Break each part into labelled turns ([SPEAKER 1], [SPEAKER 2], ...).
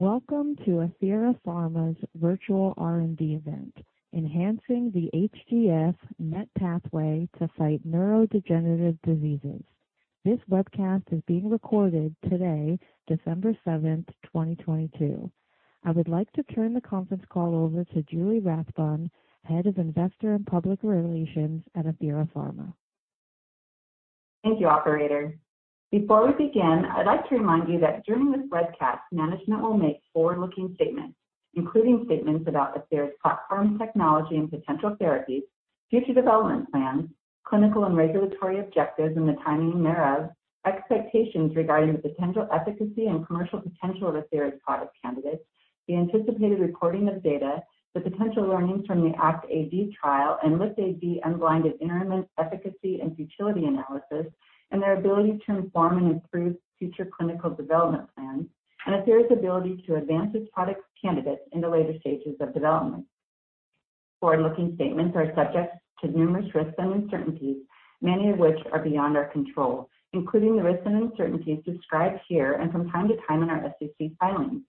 [SPEAKER 1] Welcome to Athira Pharma's virtual R&D event, Enhancing the HGF/Met Pathway to Fight Neurodegenerative Diseases. This webcast is being recorded today, December 7, 2022. I would like to turn the conference call over to Julie Rathbun, Head of Investor and Public Relations at Athira Pharma.
[SPEAKER 2] Thank you, operator. Before we begin, I'd like to remind you that during this webcast, management will make forward-looking statements, including statements about Athira's platform technology and potential therapies, future development plans, clinical and regulatory objectives and the timing thereof, expectations regarding the potential efficacy and commercial potential of Athira's product candidates, the anticipated reporting of data, the potential learnings from the ACT-AD trial, and LIFT-AD unblinded interim efficacy and futility analysis, and their ability to inform and improve future clinical development plans, and Athira's ability to advance its product candidates into later stages of development. Forward-looking statements are subject to numerous risks and uncertainties, many of which are beyond our control, including the risks and uncertainties described here and from time to time in our SEC filings.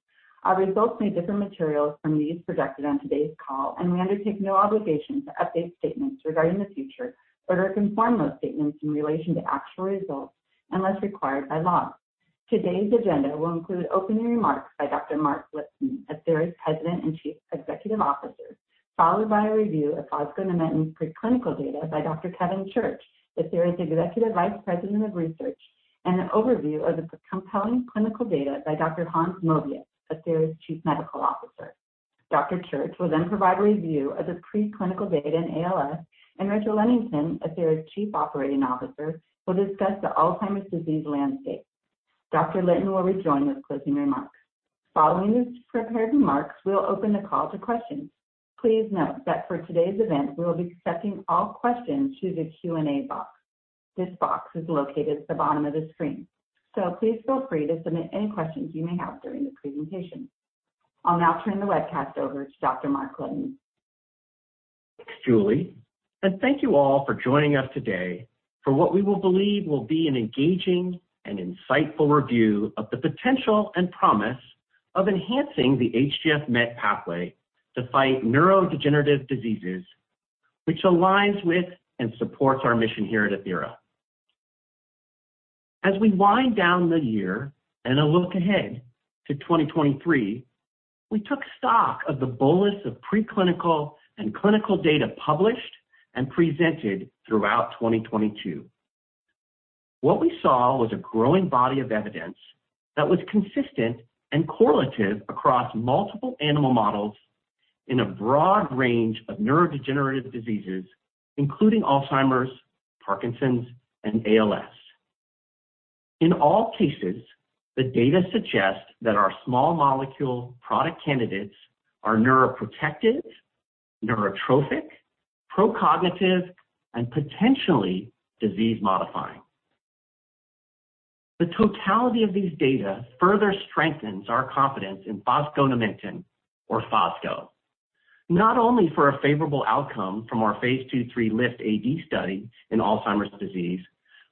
[SPEAKER 2] Our results may differ materials from these projected on today's call. We undertake no obligation to update statements regarding the future or to confirm those statements in relation to actual results unless required by law. Today's agenda will include opening remarks by Dr. Mark Litton, Athira's President and Chief Executive Officer, followed by a review of fosgonimeton's preclinical data by Dr. Kevin Church, Athira's Executive Vice President of Research. An overview of the compelling clinical data by Dr. Hans Moebius, Athira's Chief Medical Officer. Dr. Church will provide a review of the preclinical data in ALS. Rachel Lenington, Athira's Chief Operating Officer, will discuss the Alzheimer's disease landscape. Dr. Litton will rejoin with closing remarks. Following these prepared remarks, we'll open the call to questions. Please note that for today's event, we will be accepting all questions through the Q&A box. This box is located at the bottom of the screen. Please feel free to submit any questions you may have during the presentation. I'll now turn the webcast over to Dr. Mark Litton.
[SPEAKER 3] Thanks, Julie, and thank you all for joining us today for what we will believe will be an engaging and insightful review of the potential and promise of enhancing the HGF/Met pathway to fight neurodegenerative diseases, which aligns with and supports our mission here at Athira. As we wind down the year and a look ahead to 2023, we took stock of the bolus of preclinical and clinical data published and presented throughout 2022. What we saw was a growing body of evidence that was consistent and correlative across multiple animal models in a broad range of neurodegenerative diseases, including Alzheimer's, Parkinson's, and ALS. In all cases, the data suggest that our small molecule product candidates are neuroprotective, neurotrophic, pro-cognitive, and potentially disease modifying. The totality of these data further strengthens our confidence in fosgonimeton, or Fosgo. For a favorable outcome from our phase 2/3 LIFT-AD study in Alzheimer's disease,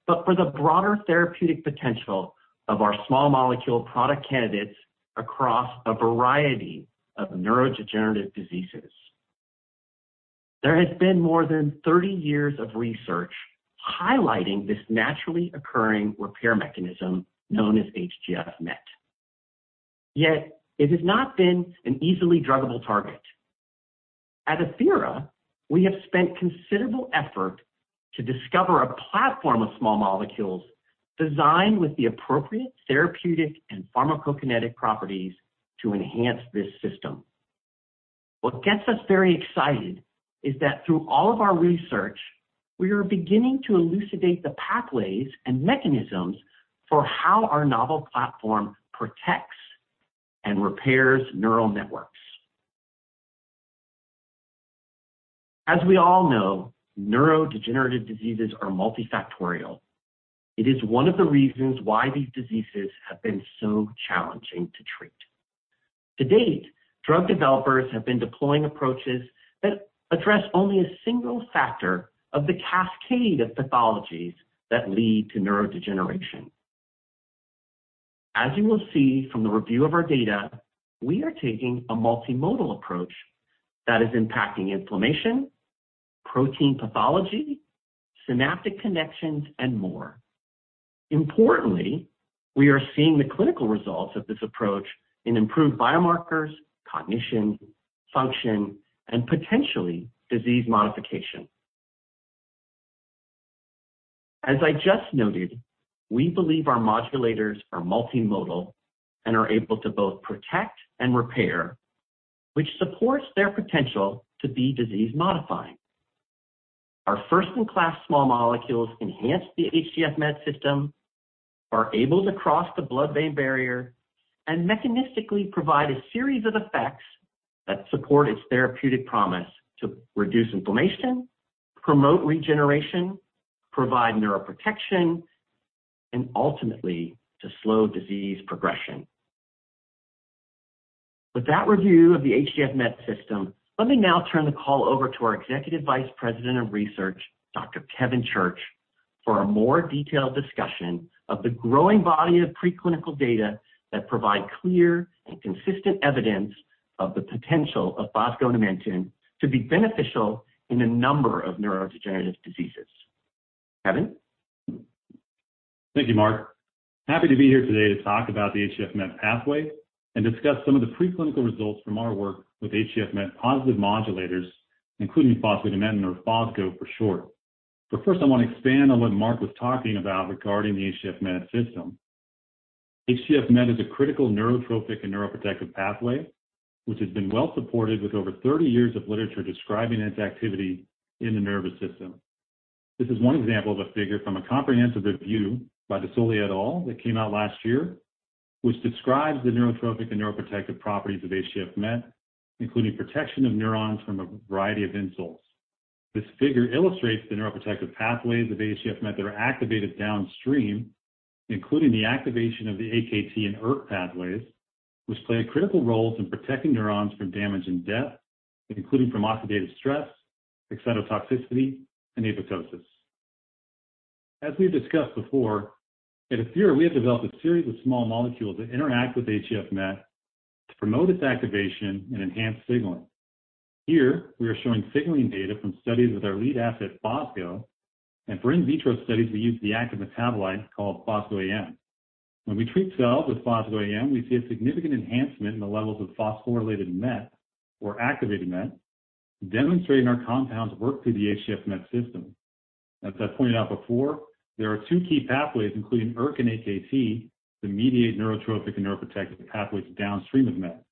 [SPEAKER 3] but for the broader therapeutic potential of our small molecule product candidates across a variety of neurodegenerative diseases. There has been more than 30 years of research highlighting this naturally occurring repair mechanism known as HGF/Met. It has not been an easily druggable target. At Athira, we have spent considerable effort to discover a platform of small molecules designed with the appropriate therapeutic and pharmacokinetic properties to enhance this system. What gets us very excited is that through all of our research, we are beginning to elucidate the pathways and mechanisms for how our novel platform protects and repairs neural networks. We all know, neurodegenerative diseases are multifactorial. It is one of the reasons why these diseases have been so challenging to treat. To date, drug developers have been deploying approaches that address only a single factor of the cascade of pathologies that lead to neurodegeneration. As you will see from the review of our data, we are taking a multimodal approach that is impacting inflammation, protein pathology, synaptic connections, and more. Importantly, we are seeing the clinical results of this approach in improved biomarkers, cognition, function, and potentially disease modification. As I just noted, we believe our modulators are multimodal and are able to both protect and repair, which supports their potential to be disease modifying. Our first-in-class small molecules enhance the HGF/Met system, are able to cross the blood-brain barrier, and mechanistically provide a series of effects that support its therapeutic promise to reduce inflammation, promote regeneration, provide neuroprotection, and ultimately to slow disease progression. With that review of the HGF/Met system, let me now turn the call over to our Executive Vice President of Research, Dr. Kevin Church. For a more detailed discussion of the growing body of preclinical data that provide clear and consistent evidence of the potential of fosgonimeton to be beneficial in a number of neurodegenerative diseases. Kevin?
[SPEAKER 4] Thank you, Mark. Happy to be here today to talk about the HGF/Met pathway and discuss some of the preclinical results from our work with HGF/Met positive modulators, including fosgonimeton or fosgo for short. First, I want to expand on what Mark was talking about regarding the HGF/Met system. HGF/Met is a critical neurotrophic and neuroprotective pathway, which has been well supported with over 30 years of literature describing its activity in the nervous system. This is 1 example of a figure from a comprehensive review by Dasari et al. that came out last year, which describes the neurotrophic and neuroprotective properties of HGF/Met, including protection of neurons from a variety of insults. This figure illustrates the neuroprotective pathways of HGF/Met that are activated downstream, including the activation of the AKT and ERK pathways, which play critical roles in protecting neurons from damage and death, including from oxidative stress, excitotoxicity, and apoptosis. As we've discussed before, at Athira, we have developed a series of small molecules that interact with HGF/Met to promote its activation and enhance signaling. Here we are showing signaling data from studies with our lead asset, fosgo, and for in vitro studies we use the active metabolite called fosgo-AM. When we treat cells with fosgo-AM, we see a significant enhancement in the levels of phosphorylated Met or activated Met, demonstrating our compounds work through the HGF/Met system. As I pointed out before, there are two key pathways, including ERK and AKT, that mediate neurotrophic and neuroprotective pathways downstream of Met.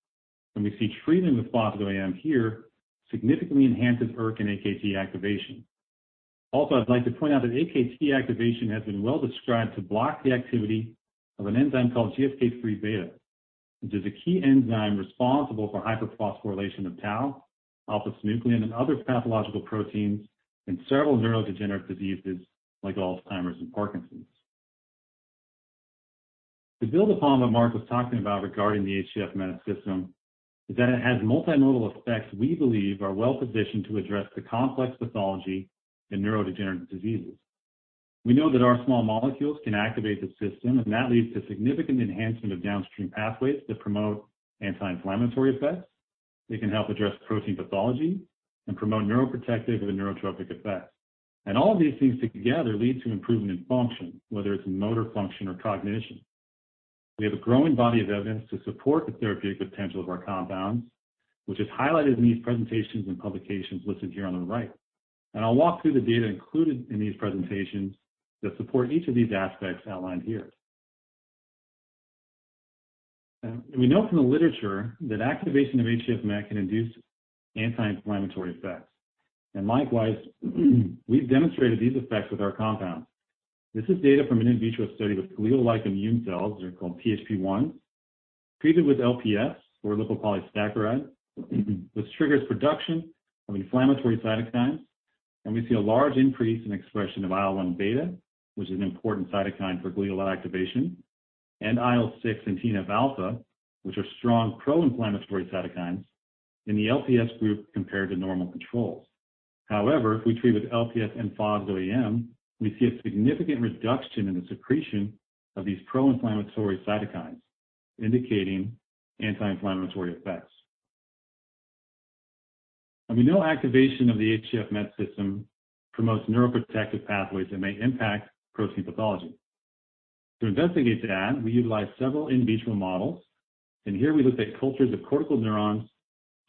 [SPEAKER 4] We see treatment with fosgo-AM here significantly enhances ERK and AKT activation. Also, I'd like to point out that AKT activation has been well described to block the activity of an enzyme called GSK-3β, which is a key enzyme responsible for hyperphosphorylation of tau, alpha-synuclein, and other pathological proteins in several neurodegenerative diseases like Alzheimer's and Parkinson's. To build upon what Mark was talking about regarding the HGF/Met system is that it has multimodal effects we believe are well-positioned to address the complex pathology in neurodegenerative diseases. We know that our small molecules can activate the system, and that leads to significant enhancement of downstream pathways that promote anti-inflammatory effects. They can help address protein pathology and promote neuroprotective and neurotrophic effects. All of these things together lead to improvement in function, whether it's motor function or cognition. We have a growing body of evidence to support the therapeutic potential of our compounds, which is highlighted in these presentations and publications listed here on the right. I'll walk through the data included in these presentations that support each of these aspects outlined here. We know from the literature that activation of HGF/Met can induce anti-inflammatory effects, and likewise, we've demonstrated these effects with our compounds. This is data from an in vitro study with glial-like immune cells, they're called THP-1, treated with LPS or lipopolysaccharide, which triggers production of inflammatory cytokines. We see a large increase in expression of IL-1β, which is an important cytokine for glial activation, and IL-6 and TNF-α, which are strong pro-inflammatory cytokines in the LPS group compared to normal controls. However, if we treat with LPS and fosgo-AM, we see a significant reduction in the secretion of these pro-inflammatory cytokines, indicating anti-inflammatory effects. We know activation of the HGF/Met system promotes neuroprotective pathways that may impact protein pathology. To investigate that, we utilized several in vitro models, and here we looked at cultures of cortical neurons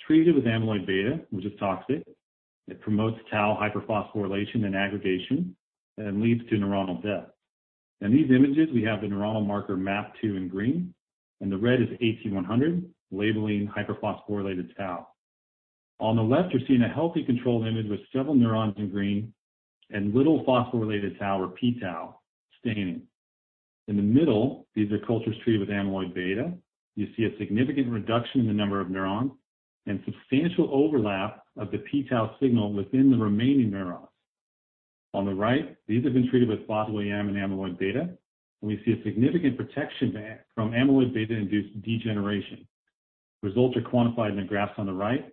[SPEAKER 4] treated with amyloid beta, which is toxic. It promotes tau hyperphosphorylation and aggregation and leads to neuronal death. In these images, we have the neuronal marker MAP2 in green, and the red is AT-100, labeling hyperphosphorylated tau. On the left, you're seeing a healthy control image with several neurons in green and little phosphorylated tau or p-Tau staining. In the middle, these are cultures treated with amyloid beta. You see a significant reduction in the number of neurons and substantial overlap of the p-Tau signal within the remaining neurons. On the right, these have been treated with fosgo-AM and amyloid beta. We see a significant protection from amyloid beta-induced degeneration. Results are quantified in the graphs on the right,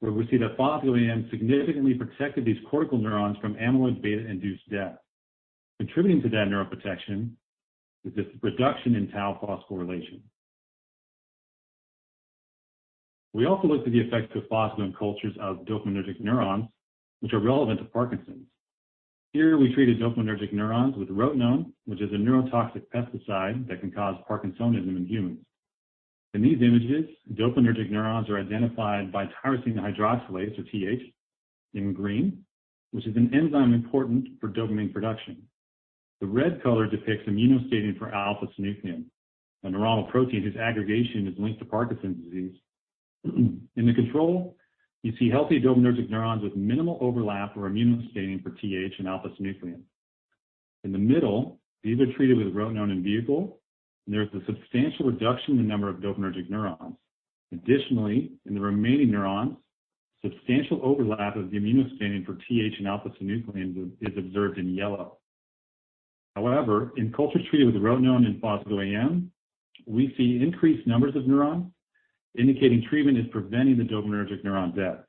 [SPEAKER 4] where we see that fosgo-AM significantly protected these cortical neurons from amyloid beta-induced death. Contributing to that neuroprotection is this reduction in tau phosphorylation. We also looked at the effects of fosgo in cultures of dopaminergic neurons, which are relevant to Parkinson's. Here we treated dopaminergic neurons with rotenone, which is a neurotoxic pesticide that can cause Parkinsonism in humans. In these images, dopaminergic neurons are identified by tyrosine hydroxylase or TH in green, which is an enzyme important for dopamine production. The red color depicts immunostaining for alpha-synuclein, a neuronal protein whose aggregation is linked to Parkinson's disease. In the control, you see healthy dopaminergic neurons with minimal overlap or immunostaining for TH and alpha-synuclein. In the middle, these are treated with rotenone and vehicle. There's a substantial reduction in the number of dopaminergic neurons. Additionally, in the remaining neurons, substantial overlap of the immunostaining for TH and alpha-synuclein is observed in yellow. However, in cultures treated with rotenone and fosgo-AM, we see increased numbers of neurons, indicating treatment is preventing the dopaminergic neuron death.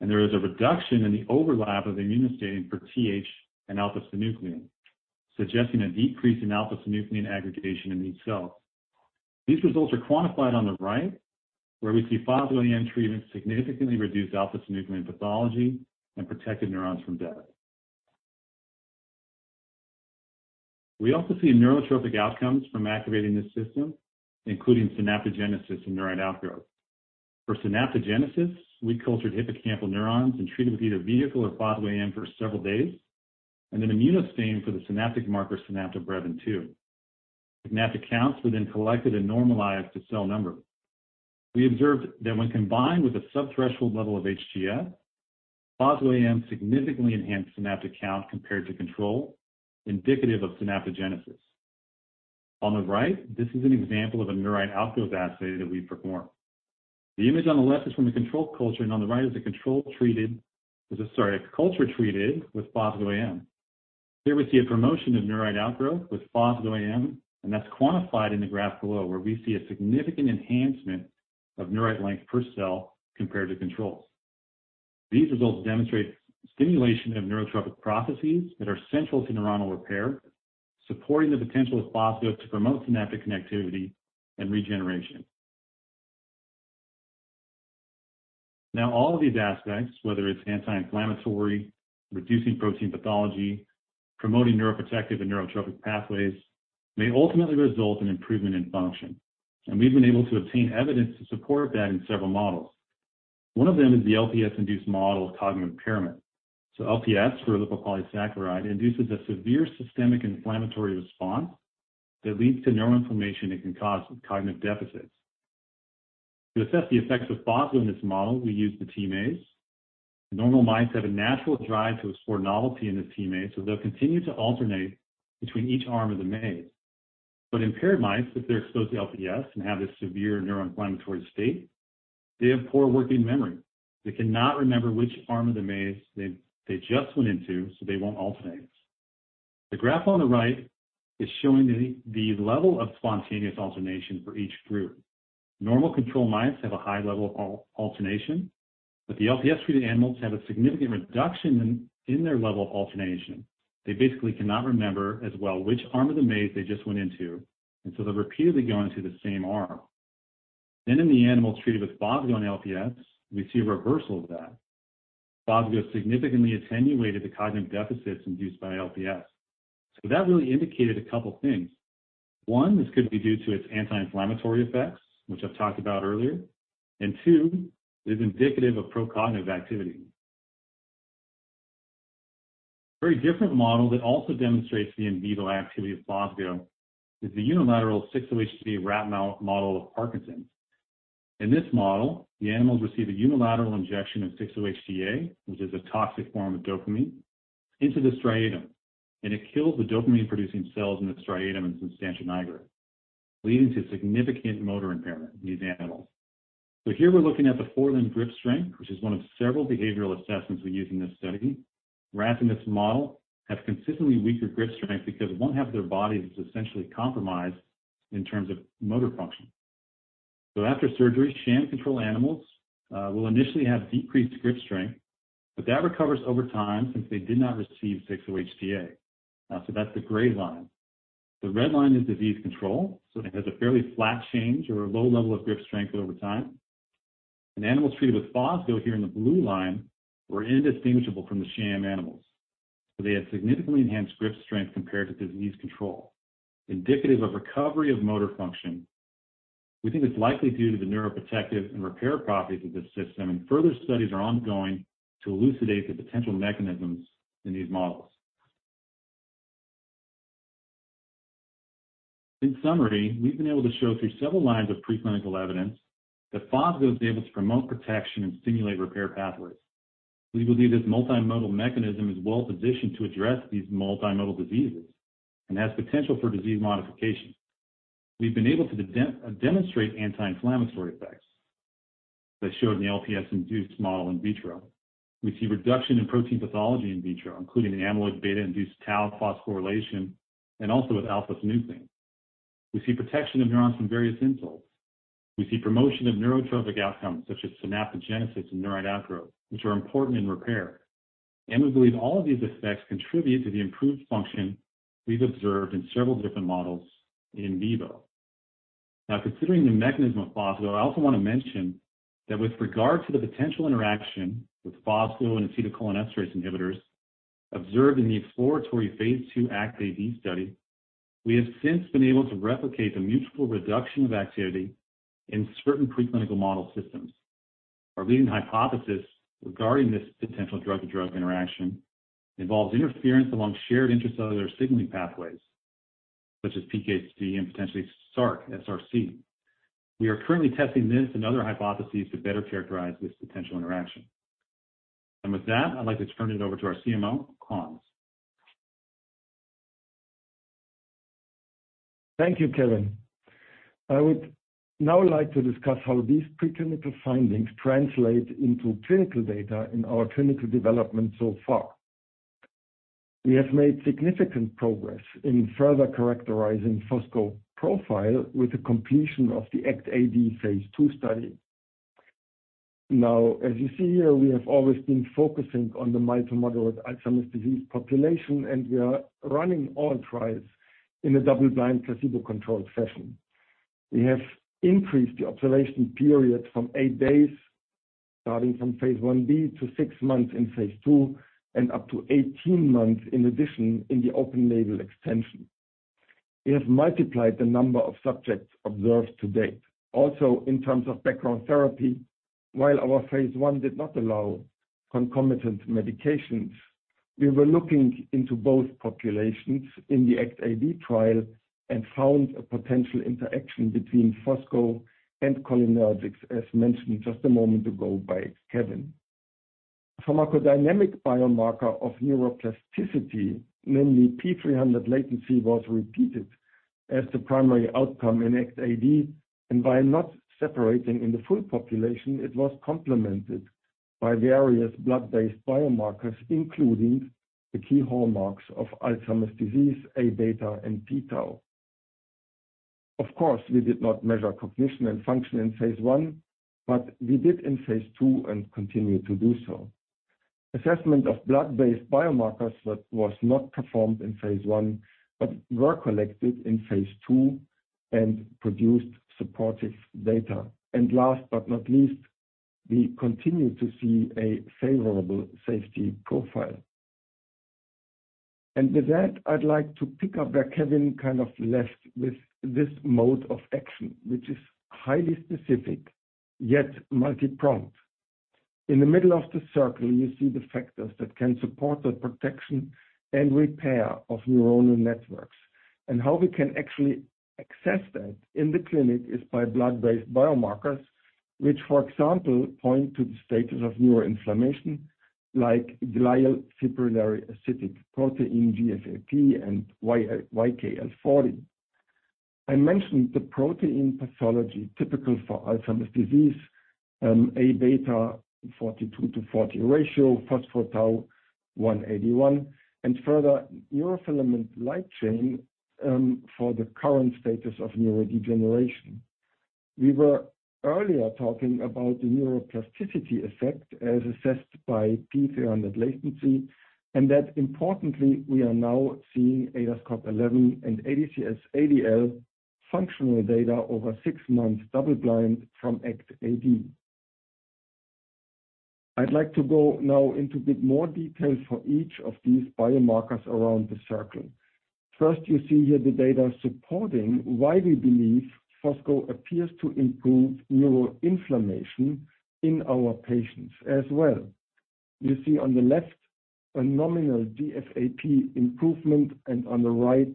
[SPEAKER 4] There is a reduction in the overlap of immunostaining for TH and alpha-synuclein, suggesting a decrease in alpha-synuclein aggregation in each cell. These results are quantified on the right, where we see fosgo-AM treatment significantly reduced alpha-synuclein pathology and protected neurons from death. We also see neurotrophic outcomes from activating this system, including synaptogenesis and neurite outgrowth. For synaptogenesis, we cultured hippocampal neurons and treated with either vehicle or fosgo-AM for several days and then immunostained for the synaptic marker synaptobrevin-2. Synaptic counts were collected and normalized to cell number. We observed that when combined with a subthreshold level of HGF, fosgo-AM significantly enhanced synaptic count compared to control, indicative of synaptogenesis. On the right, this is an example of a neurite outgrowth assay that we performed. The image on the left is from the control culture, on the right is a culture treated with fosgo-AM. Here we see a promotion of neurite outgrowth with fosgo-AM, that's quantified in the graph below, where we see a significant enhancement of neurite length per cell compared to controls. These results demonstrate stimulation of neurotrophic processes that are central to neuronal repair, supporting the potential of fosgo to promote synaptic connectivity and regeneration. All of these aspects, whether it's anti-inflammatory, reducing protein pathology, promoting neuroprotective and neurotrophic pathways, may ultimately result in improvement in function. We've been able to obtain evidence to support that in several models. One of them is the LPS-induced model of cognitive impairment. LPS, or lipopolysaccharide, induces a severe systemic inflammatory response that leads to neuroinflammation and can cause cognitive deficits. To assess the effects of Fosgo in this model, we used the T-maze. Normal mice have a natural drive to explore novelty in this T-maze, so they'll continue to alternate between each arm of the maze. Impaired mice, if they're exposed to LPS and have this severe neuroinflammatory state, they have poor working memory. They cannot remember which arm of the maze they just went into, so they won't alternate. The graph on the right is showing the level of spontaneous alternation for each group. Normal control mice have a high level of alternation. The LPS-treated animals have a significant reduction in their level of alternation. They basically cannot remember as well which arm of the maze they just went into. They're repeatedly going to the same arm. In the animals treated with fosgo and LPS, we see a reversal of that. fosgo significantly attenuated the cognitive deficits induced by LPS. That really indicated a couple things. One, this could be due to its anti-inflammatory effects, which I've talked about earlier. Two, it is indicative of pro-cognitive activity. A very different model that also demonstrates the in vivo activity of fosgo is the unilateral 6-OHDA rat model of Parkinson's. In this model, the animals receive a unilateral injection of 6-OHDA, which is a toxic form of dopamine, into the striatum. It kills the dopamine-producing cells in the striatum and substantia nigra, leading to significant motor impairment in these animals. Here we're looking at the forelimb grip strength, which is one of several behavioral assessments we use in this study. Rats in this model have consistently weaker grip strength because one half of their body is essentially compromised in terms of motor function. After surgery, sham control animals will initially have decreased grip strength, but that recovers over time since they did not receive 6-OHDA. That's the gray line. The red line is disease control. It has a fairly flat change or a low level of grip strength over time. Animals treated with fosgo here in the blue line were indistinguishable from the sham animals. They had significantly enhanced grip strength compared to disease control, indicative of recovery of motor function. We think it's likely due to the neuroprotective and repair properties of this system, and further studies are ongoing to elucidate the potential mechanisms in these models. In summary, we've been able to show through several lines of preclinical evidence that fosgo is able to promote protection and stimulate repair pathways. We believe this multimodal mechanism is well-positioned to address these multimodal diseases and has potential for disease modification. We've been able to demonstrate anti-inflammatory effects as shown in the LPS-induced model in vitro. We see reduction in protein pathology in vitro, including amyloid beta-induced tau phosphorylation and also with alpha-synuclein. We see protection of neurons from various insults. We see promotion of neurotrophic outcomes such as synaptogenesis and neurite outgrowth, which are important in repair. We believe all of these effects contribute to the improved function we've observed in several different models in vivo. Considering the mechanism of fosgo, I also want to mention that with regard to the potential interaction with fosgo and acetylcholinesterase inhibitors observed in the exploratory phase 2 ACT-AD study, we have since been able to replicate the mutual reduction of activity in certain preclinical model systems. Our leading hypothesis regarding this potential drug-to-drug interaction involves interference among shared intracellular signaling pathways, such as PKC and potentially SRC. We are currently testing this and other hypotheses to better characterize this potential interaction. With that, I'd like to turn it over to our CMO, Hans.
[SPEAKER 5] Thank you, Kevin. I would now like to discuss how these preclinical findings translate into clinical data in our clinical development so far. We have made significant progress in further characterizing fosgo profile with the completion of the ACT-AD phase 2 study. Now, as you see here, we have always been focusing on the mild to moderate Alzheimer's disease population, and we are running all trials in a double-blind, placebo-controlled session. We have increased the observation period from 8 days, starting from phase 1B to 6 months in phase 2, and up to 18 months in addition in the open-label extension. We have multiplied the number of subjects observed to date. Also, in terms of background therapy, while our phase 1 did not allow concomitant medications, we were looking into both populations in the ACT-AD trial and found a potential interaction between fosgo and cholinergics, as mentioned just a moment ago by Kevin. Pharmacodynamic biomarker of neuroplasticity, namely P300 latency, was repeated as the primary outcome in ACT-AD. By not separating in the full population, it was complemented by various blood-based biomarkers, including the key hallmarks of Alzheimer's disease, Aβ and p-Tau. Of course, we did not measure cognition and function in phase one, but we did in phase two and continue to do so. Assessment of blood-based biomarkers that was not performed in phase one, but were collected in phase two and produced supportive data. Last but not least, we continue to see a favorable safety profile. With that, I'd like to pick up where Kevin kind of left with this mode of action, which is highly specific, yet multipronged. In the middle of the circle, you see the factors that can support the protection and repair of neuronal networks. How we can actually access that in the clinic is by blood-based biomarkers, which, for example, point to the status of neuroinflammation, like glial fibrillary acidic protein, GFAP, and YKL-40. I mentioned the protein pathology typical for Alzheimer's disease, Aβ42/Aβ40 ratio, p-tau181, and further neurofilament light chain for the current status of neurodegeneration. We were earlier talking about the neuroplasticity effect as assessed by P300 latency, and that importantly, we are now seeing ADAS-Cog 11 and ADCS-ADL functional data over 6 months double-blind from ACT-AD. I'd like to go now into a bit more details for each of these biomarkers around the circle. First, you see here the data supporting why we believe fosgo appears to improve neuroinflammation in our patients as well. You see on the left a nominal GFAP improvement and on the right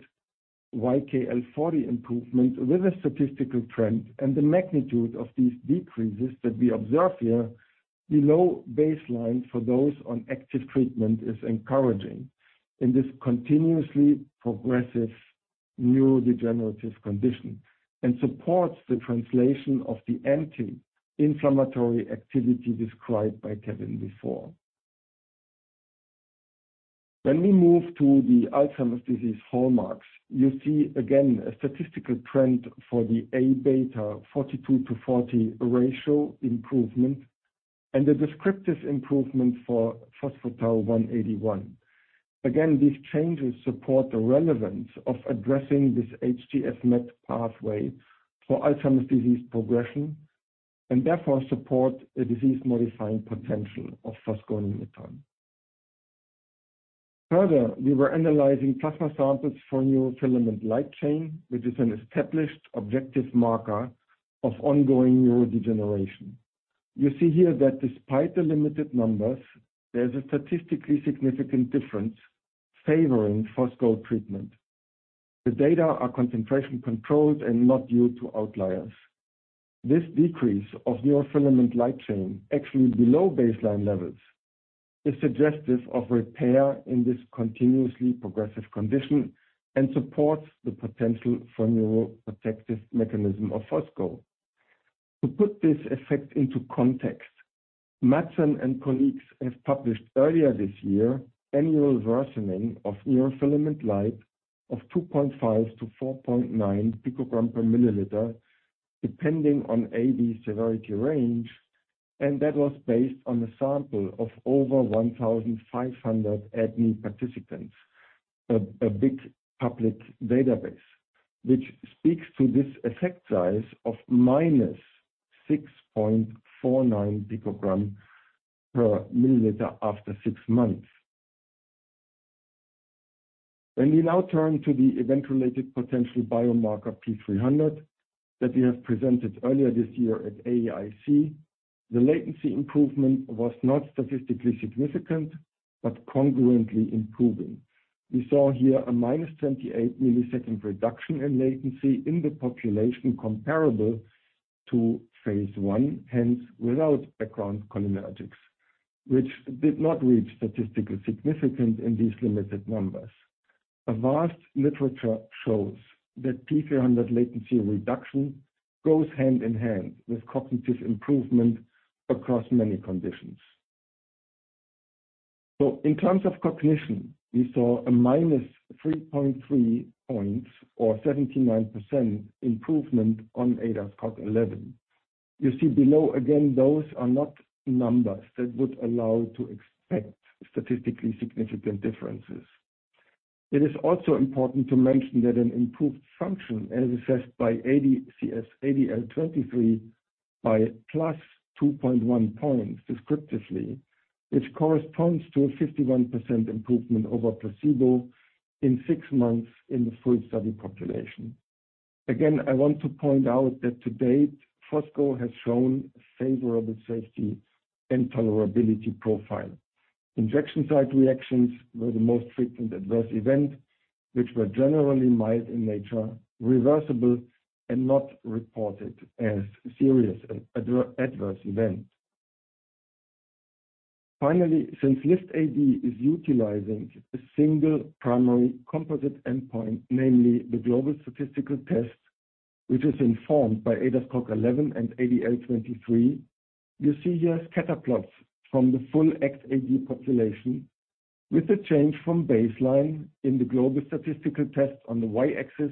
[SPEAKER 5] YKL-40 improvement with a statistical trend. The magnitude of these decreases that we observe here below baseline for those on active treatment is encouraging in this continuously progressive neurodegenerative condition and supports the translation of the anti-inflammatory activity described by Kevin before. When we move to the Alzheimer's disease hallmarks, you see again a statistical trend for the Aβ42/Aβ40 ratio improvement and the descriptive improvement for p-tau181. These changes support the relevance of addressing this HGF/Met pathway for Alzheimer's disease progression and therefore support a disease-modifying potential of fosgonimeton. We were analyzing plasma samples for neurofilament light chain, which is an established objective marker of ongoing neurodegeneration. You see here that despite the limited numbers, there's a statistically significant difference favoring fosgo treatment. The data are concentration-controlled and not due to outliers. This decrease of neurofilament light chain actually below baseline levels is suggestive of repair in this continuously progressive condition and supports the potential for neuroprotective mechanism of fosgo. To put this effect into context, Madsen and colleagues have published earlier this year annual worsening of neurofilament light of 2.5 to 4.9 picogram per milliliter, depending on AD severity range. That was based on a sample of over 1,500 ADNI participants. A big public database, which speaks to this effect size of -6.49 picogram per milliliter after 6 months. When we now turn to the event-related potential biomarker P300 that we have presented earlier this year at AAIC, the latency improvement was not statistically significant, but congruently improving. We saw here a -28 millisecond reduction in latency in the population comparable to phase 1, hence without background cholinergics, which did not reach statistical significance in these limited numbers. A vast literature shows that P300 latency reduction goes hand in hand with cognitive improvement across many conditions. In terms of cognition, we saw a -3.3 points or 79% improvement on ADAS-Cog 11. You see below, again, those are not numbers that would allow to expect statistically significant differences. It is also important to mention that an improved function, as assessed by ADCS-ADL23 by +2.1 points descriptively, which corresponds to a 51% improvement over placebo in 6 months in the full study population. Again, I want to point out that to date, fosgo has shown a favorable safety and tolerability profile. Injection site reactions were the most frequent adverse event, which were generally mild in nature, reversible, and not reported as serious adverse event. Since LIFT-AD is utilizing a single primary composite endpoint, namely the Global Statistical Test, which is informed by ADAS-Cog 11 and ADL 23, you see here scatter plots from the full ACT-AD population with the change from baseline in the Global Statistical Test on the y-axis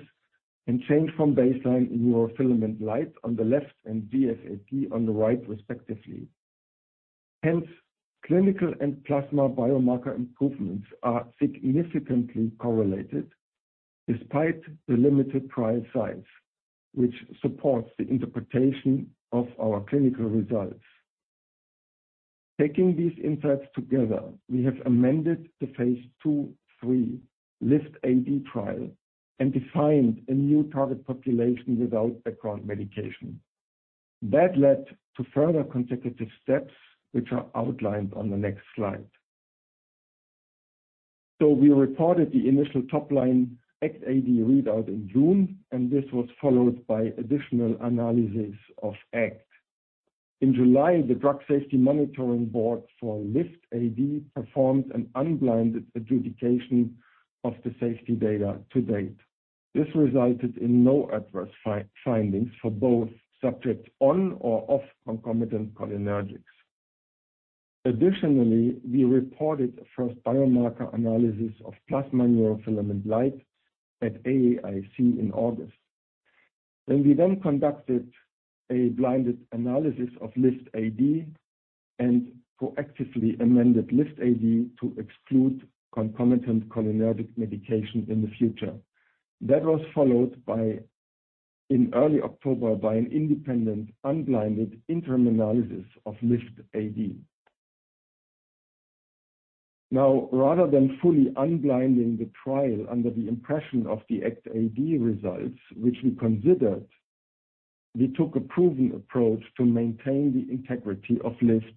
[SPEAKER 5] and change from baseline neurofilament light on the left and DSFV on the right respectively. Clinical and plasma biomarker improvements are significantly correlated despite the limited prior size, which supports the interpretation of our clinical results. Taking these insights together, we have amended the phase 2/3 LIFT-AD trial and defined a new target population without background medication. That led to further consecutive steps, which are outlined on the next slide. We reported the initial top line ACT-AD readout in June, and this was followed by additional analysis of ACT. In July, the Data and Safety Monitoring Board for LIFT-AD performed an unblinded adjudication of the safety data to date. This resulted in no adverse findings for both subjects on or off concomitant cholinergics. Additionally, we reported a first biomarker analysis of plasma neurofilament light at AAIC in August. We then conducted a blinded analysis of LIFT-AD and proactively amended LIFT-AD to exclude concomitant cholinergic medication in the future. That was followed by, in early October, by an independent unblinded interim analysis of LIFT-AD. Rather than fully unblinding the trial under the impression of the ACT-AD results, which we considered, we took a proven approach to maintain the integrity of LIFT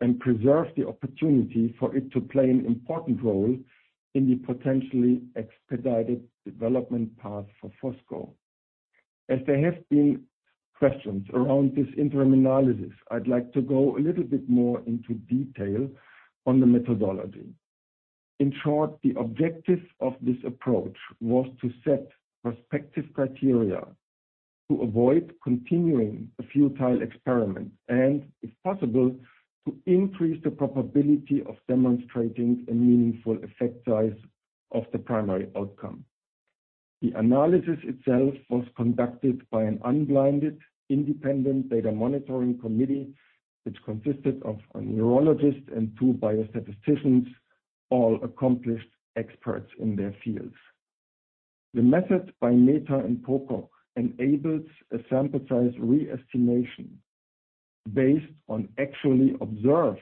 [SPEAKER 5] and preserve the opportunity for it to play an important role in the potentially expedited development path for fosgo. There have been questions around this interim analysis. I'd like to go a little bit more into detail on the methodology. The objective of this approach was to set prospective criteria to avoid continuing a futile experiment and, if possible, to increase the probability of demonstrating a meaningful effect size of the primary outcome. The analysis itself was conducted by an unblinded independent data monitoring committee, which consisted of a neurologist and two biostatisticians, all accomplished experts in their fields. The method by Mehta and Pocock enables a sample size re-estimation based on actually observed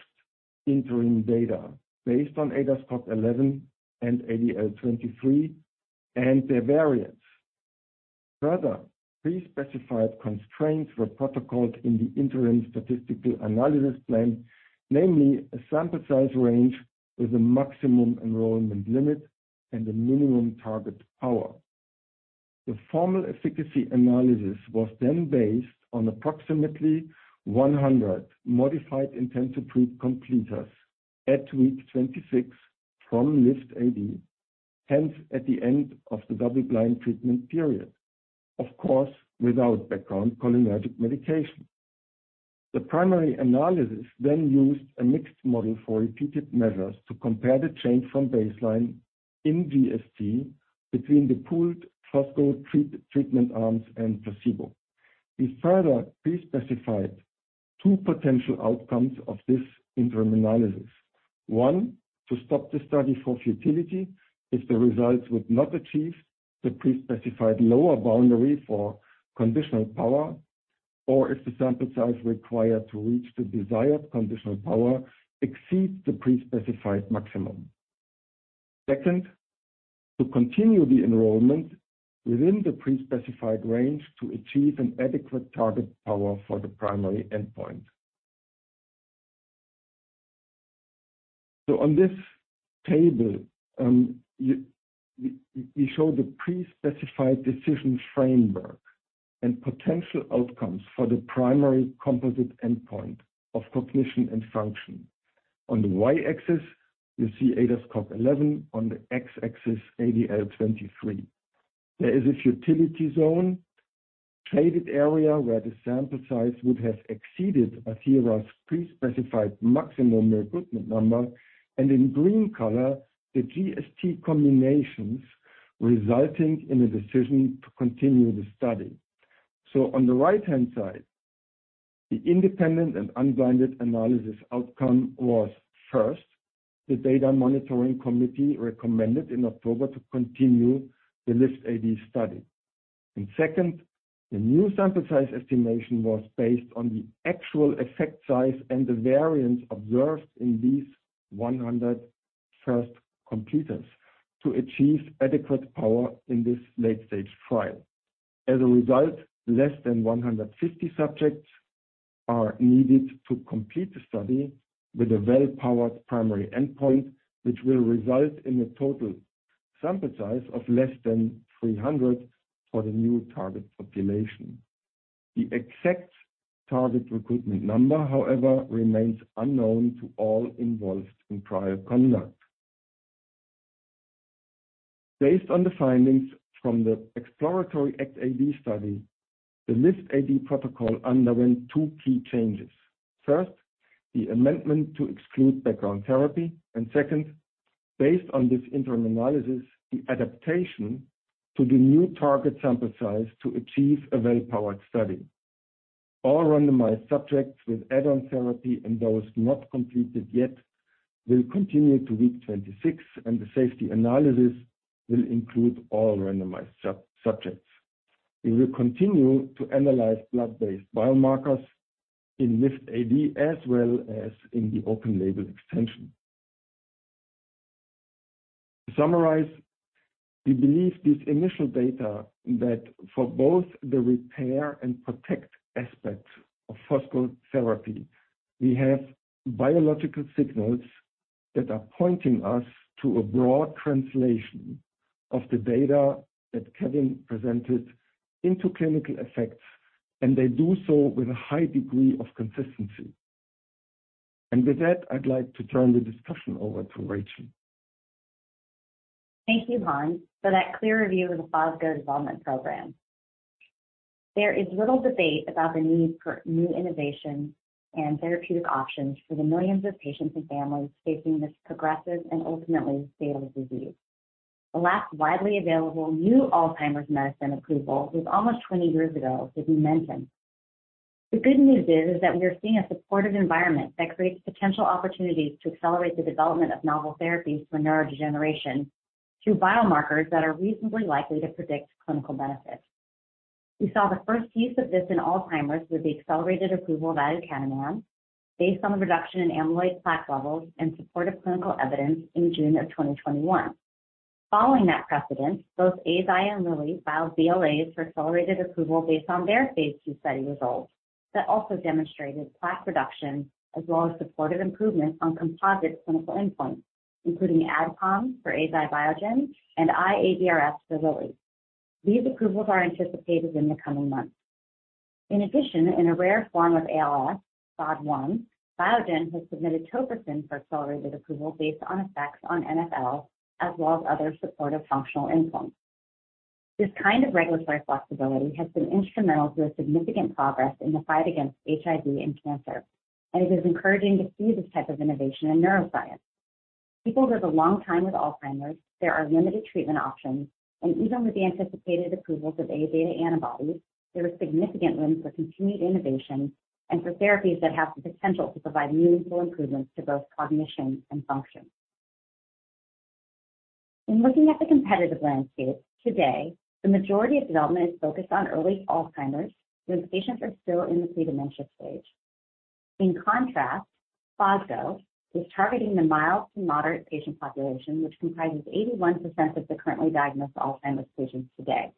[SPEAKER 5] interim data based on ADAS-Cog 11 and ADCS-ADL23 and their variants. Pre-specified constraints were protocoled in the interim statistical analysis plan, namely a sample size range with a maximum enrollment limit and a minimum target power. The formal efficacy analysis was then based on approximately 100 modified intent-to-treat completers at week 26 from LIFT-AD, hence at the end of the double-blind treatment period, of course, without background cholinergic medication. The primary analysis then used a mixed model for repeated measures to compare the change from baseline in GST between the pooled fosgo treatment arms and placebo. We pre-specified 2 potential outcomes of this interim analysis. One, to stop the study for futility if the results would not achieve the pre-specified lower boundary for conditional power or if the sample size required to reach the desired conditional power exceeds the pre-specified maximum. Second, to continue the enrollment within the pre-specified range to achieve an adequate target power for the primary endpoint. On this table, we show the pre-specified decision framework and potential outcomes for the primary composite endpoint of cognition and function. On the Y-axis, you see ADAS-Cog 11, on the X-axis, ADL 23. There is a futility zone, shaded area where the sample size would have exceeded Athira's pre-specified maximum recruitment number, and in green color, the GST combinations resulting in a decision to continue the study. On the right-hand side, the independent and unblinded analysis outcome was first, the data monitoring committee recommended in October to continue the LIFT-AD study. Second, the new sample size estimation was based on the actual effect size and the variance observed in these 100 first completers to achieve adequate power in this late-stage trial. As a result, less than 150 subjects are needed to complete the study with a well-powered primary endpoint, which will result in a total sample size of less than 300 for the new target population. The exact target recruitment number, however, remains unknown to all involved in trial conduct. Based on the findings from the exploratory ACT-AD study, the LIFT-AD protocol underwent two key changes. First, the amendment to exclude background therapy. Second, based on this interim analysis, the adaptation to the new target sample size to achieve a well-powered study. All randomized subjects with add-on therapy and those not completed yet will continue to week 26. The safety analysis will include all randomized sub-subjects. We will continue to analyze blood-based biomarkers in LIFT-AD, as well as in the open-label extension. To summarize, we believe this initial data that for both the repair and protect aspects of fosgo therapy, we have biological signals that are pointing us to a broad translation of the data that Kevin presented into clinical effects. They do so with a high degree of consistency. With that, I'd like to turn the discussion over to Rachel.
[SPEAKER 6] Thank you, Hans, for that clear review of the Fosgo development program. There is little debate about the need for new innovation and therapeutic options for the millions of patients and families facing this progressive and ultimately fatal disease. The last widely available new Alzheimer's medicine approval was almost 20 years ago with Namenda. The good news is that we are seeing a supportive environment that creates potential opportunities to accelerate the development of novel therapies for neurodegeneration through biomarkers that are reasonably likely to predict clinical benefit. We saw the first use of this in Alzheimer's with the accelerated approval of aducanumab based on the reduction in amyloid plaque levels and supportive clinical evidence in June of 2021. Following that precedent, both Eisai and Lilly filed BLAs for accelerated approval based on their phase 2 study results that also demonstrated plaque reduction as well as supportive improvements on composite clinical endpoints, including ADCOMS for Eisai, Biogen and iADRS for Lilly. These approvals are anticipated in the coming months. In addition, in a rare form of ALS, SOD1, Biogen has submitted tofersen for accelerated approval based on effects on NFL as well as other supportive functional endpoints. This kind of regulatory flexibility has been instrumental to a significant progress in the fight against HIV and cancer. It is encouraging to see this type of innovation in neuroscience. People live a long time with Alzheimer's, there are limited treatment options, and even with the anticipated approvals of Aβ antibodies, there is significant room for continued innovation and for therapies that have the potential to provide meaningful improvements to both cognition and function. In looking at the competitive landscape today, the majority of development is focused on early Alzheimer's, when patients are still in the pre-dementia stage. In contrast, Fosgo is targeting the mild to moderate patient population, which comprises 81% of the currently diagnosed Alzheimer's patients today.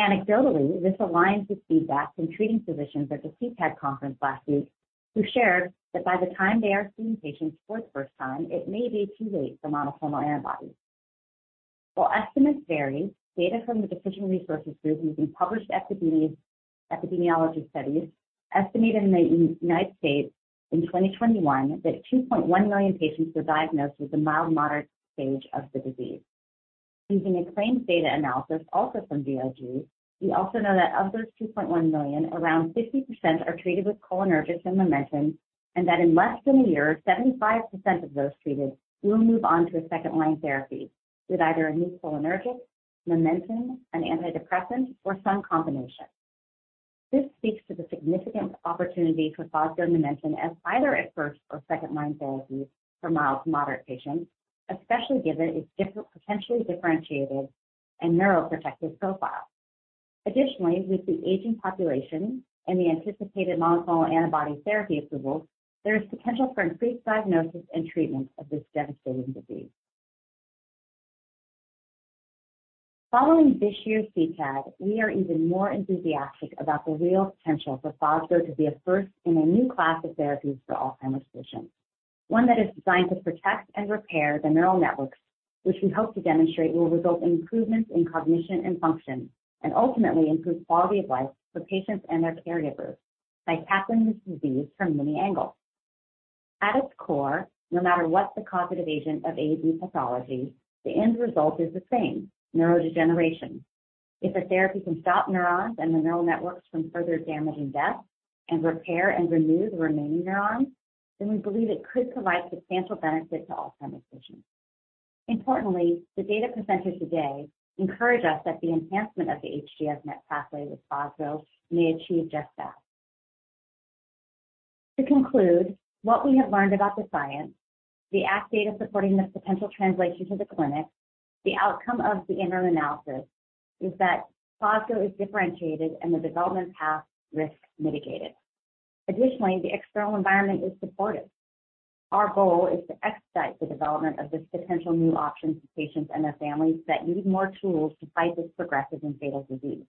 [SPEAKER 6] Anecdotally, this aligns with feedback from treating physicians at the CTAD conference last week who shared that by the time they are seeing patients for the first time, it may be too late for monoclonal antibodies. While estimates vary, data from the Decision Resources Group using published epidemiology studies estimated in the United States in 2021 that 2.1 million patients were diagnosed with a mild, moderate stage of the disease. Using a claims data analysis, also from DRG, we also know that of those 2.1 million, around 50% are treated with cholinergic and Namenda, and that in less than a year, 75% of those treated will move on to a second-line therapy with either a new cholinergic, Namenda, an antidepressant, or some combination. This speaks to the significant opportunity for Fosgo Namenda as either a first or second-line therapy for mild to moderate patients, especially given its potentially differentiated and neuroprotective profile. Additionally, with the aging population and the anticipated monoclonal antibody therapy approvals, there is potential for increased diagnosis and treatment of this devastating disease. Following this year's CTAD, we are even more enthusiastic about the real potential for fosgo to be a first in a new class of therapies for Alzheimer's patients, one that is designed to protect and repair the neural networks, which we hope to demonstrate will result in improvements in cognition and function, and ultimately improve quality of life for patients and their caregivers by tackling this disease from many angles. At its core, no matter what the causative agent of AD pathology, the end result is the same: neurodegeneration. If a therapy can stop neurons and the neural networks from further damage and death, and repair and renew the remaining neurons, then we believe it could provide substantial benefit to Alzheimer's patients. Importantly, the data presented today encourage us that the enhancement of the HGF/Met pathway with fosgo may achieve just that. To conclude, what we have learned about the science, the ACT data supporting this potential translation to the clinic, the outcome of the interim analysis is that Fosgo is differentiated and the development path risk mitigated. The external environment is supportive. Our goal is to excite the development of this potential new option to patients and their families that need more tools to fight this progressive and fatal disease.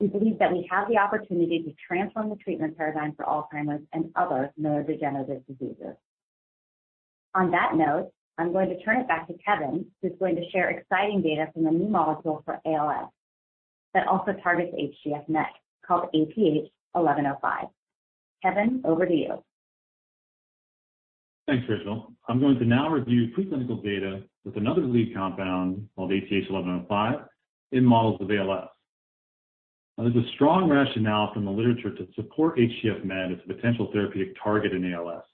[SPEAKER 6] We believe that we have the opportunity to transform the treatment paradigm for Alzheimer's and other neurodegenerative diseases. On that note, I'm going to turn it back to Kevin, who's going to share exciting data from a new molecule for ALS that also targets HGF/Met, called ATH-1105. Kevin, over to you.
[SPEAKER 4] Thanks, Rachel. I'm going to now review preclinical data with another lead compound called ATH-1105 in models of ALS. There's a strong rationale from the literature to support HGF/MET as a potential therapeutic target in ALS.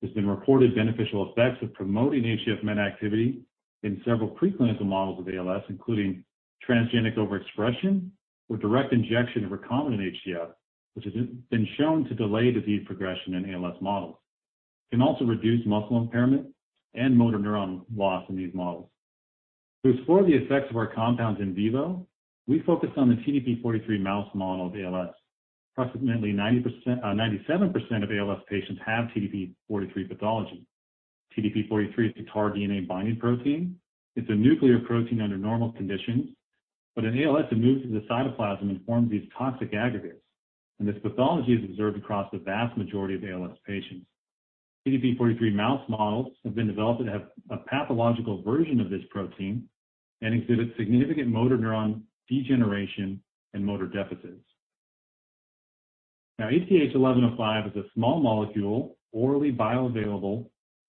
[SPEAKER 4] There's been reported beneficial effects of promoting HGF/MET activity in several preclinical models of ALS, including transgenic overexpression or direct injection of recombinant HGF, which has been shown to delay disease progression in ALS models. It can also reduce muscle impairment and motor neuron loss in these models. To explore the effects of our compounds in vivo, we focused on the TDP-43 mouse model of ALS. Approximately 90%, 97% of ALS patients have TDP-43 pathology. TDP-43 is a TAR DNA binding protein. It's a nuclear protein under normal conditions, but in ALS it moves to the cytoplasm and forms these toxic aggregates, and this pathology is observed across the vast majority of ALS patients. TDP-43 mouse models have been developed that have a pathological version of this protein and exhibit significant motor neuron degeneration and motor deficits. ATH-1105 is a small molecule, orally bioavailable,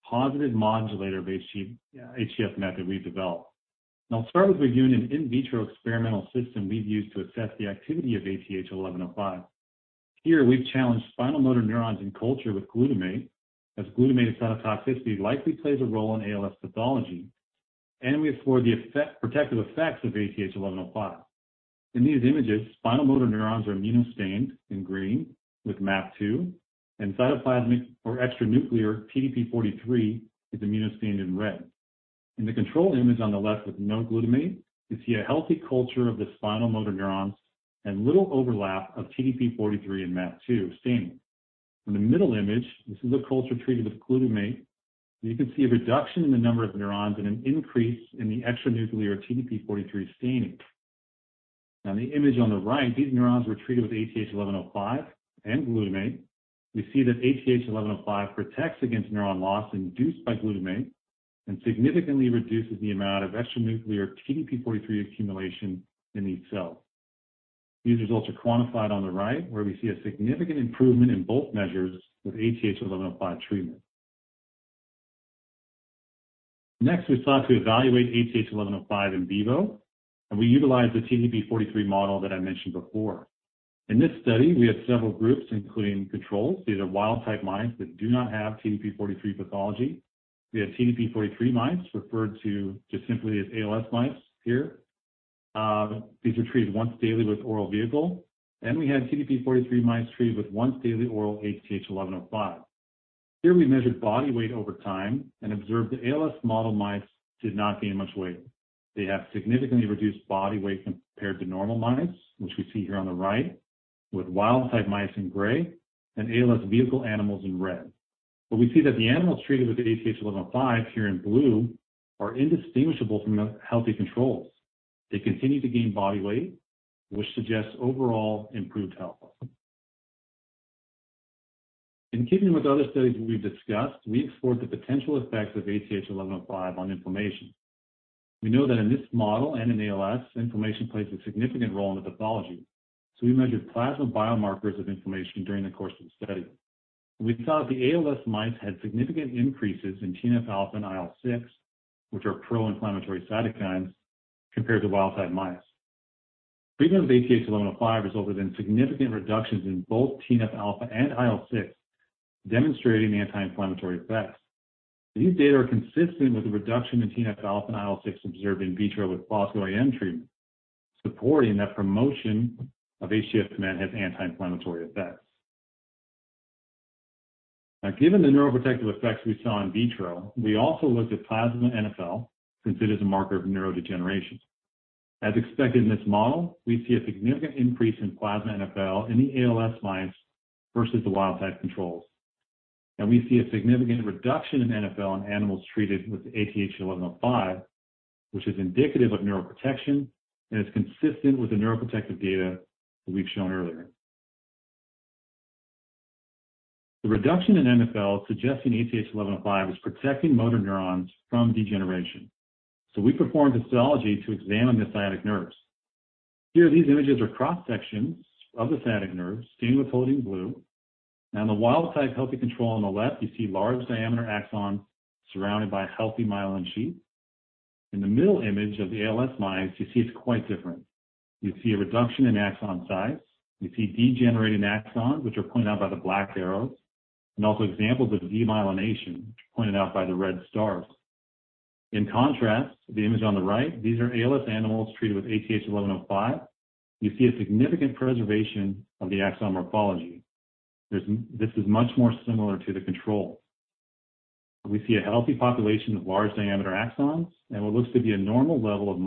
[SPEAKER 4] positive modulator of HGF/Met that we've developed. I'll start with reviewing an in vitro experimental system we've used to assess the activity of ATH-1105. Here, we've challenged spinal motor neurons in culture with glutamate, as glutamate cytotoxicity likely plays a role in ALS pathology, and we explore the effect, protective effects of ATH-1105. In these images, spinal motor neurons are immunostained in green with MAP2, and cytoplasmic or extra-nuclear TDP-43 is immunostained in red. In the control image on the left with no glutamate, you see a healthy culture of the spinal motor neurons and little overlap of TDP-43 and MAP2 staining. In the middle image, this is a culture treated with glutamate, you can see a reduction in the number of neurons and an increase in the extra-nuclear TDP-43 staining. In the image on the right, these neurons were treated with ATH-1105 and glutamate. We see that ATH-1105 protects against neuron loss induced by glutamate and significantly reduces the amount of extra-nuclear TDP-43 accumulation in each cell. These results are quantified on the right, where we see a significant improvement in both measures with ATH-1105 treatment. We sought to evaluate ATH-1105 in vivo, and we utilized the TDP-43 model that I mentioned before. In this study, we had several groups, including controls. These are wild-type mice that do not have TDP-43 pathology. We have TDP-43 mice, referred to just simply as ALS mice here. These were treated once daily with oral vehicle. We had TDP-43 mice treated with once daily oral ATH-1105. Here we measured body weight over time and observed the ALS model mice did not gain much weight. They have significantly reduced body weight compared to normal mice, which we see here on the right, with wild-type mice in gray and ALS vehicle animals in red. We see that the animals treated with ATH-1105 here in blue are indistinguishable from the healthy controls. They continue to gain body weight, which suggests overall improved health. In keeping with other studies we've discussed, we explored the potential effects of ATH-1105 on inflammation. We know that in this model and in ALS, inflammation plays a significant role in the pathology. We measured plasma biomarkers of inflammation during the course of the study. We saw that the ALS mice had significant increases in TNF-α and IL-6, which are pro-inflammatory cytokines, compared to wild-type mice. Treatment with ATH-1105 resulted in significant reductions in both TNF-α and IL-6, demonstrating anti-inflammatory effects. These data are consistent with the reduction in TNF-α and IL-6 observed in vitro with fosgo-AM treatment, supporting that promotion of HGF/Met has anti-inflammatory effects. Given the neuroprotective effects we saw in vitro, we also looked at plasma NFL, since it is a marker of neurodegeneration. As expected in this model, we see a significant increase in plasma NFL in the ALS mice versus the wild-type controls. We see a significant reduction in NfL in animals treated with ATH-1105, which is indicative of neuroprotection and is consistent with the neuroprotective data that we've shown earlier. The reduction in NFL suggesting ATH-1105 is protecting motor neurons from degeneration. We performed histology to examine the sciatic nerves. Here, these images are cross-sections of the sciatic nerves stained with Toluidine blue. Now in the wild-type healthy control on the left, you see large diameter axon surrounded by healthy myelin sheath. In the middle image of the ALS mice, you see it's quite different. You see a reduction in axon size. You see degenerating axons, which are pointed out by the black arrows, and also examples of demyelination, which are pointed out by the red stars. In contrast, the image on the right, these are ALS Animals treated with ATH-1105. You see a significant preservation of the axon morphology. This is much more similar to the control. We see a healthy population of large diameter axons and what looks to be a normal level of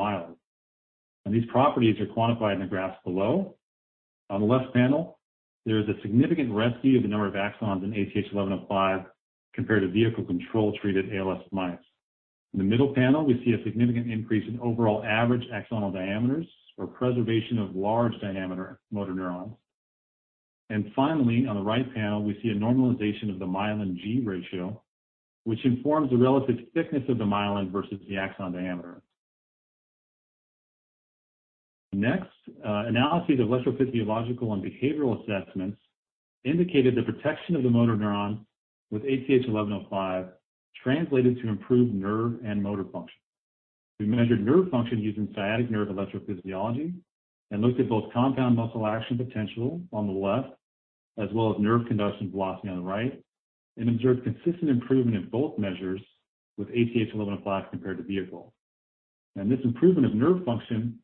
[SPEAKER 4] myelin. These properties are quantified in the graphs below. On the left panel, there is a significant rescue of the number of axons in ATH-1105 compared to vehicle control treated ALS mice. In the middle panel, we see a significant increase in overall average axonal diameters for preservation of large diameter motor neurons. Finally, on the right panel, we see a normalization of the myelin g-ratio, which informs the relative thickness of the myelin versus the axon diameter. Next, analyses of electrophysiological and behavioral assessments indicated the protection of the motor neuron with ATH-1105 translated to improved nerve and motor function. We measured nerve function using sciatic nerve electrophysiology and looked at both compound muscle action potential on the left as well as nerve conduction velocity on the right, and observed consistent improvement in both measures with ATH1105 compared to vehicle. This improvement of nerve function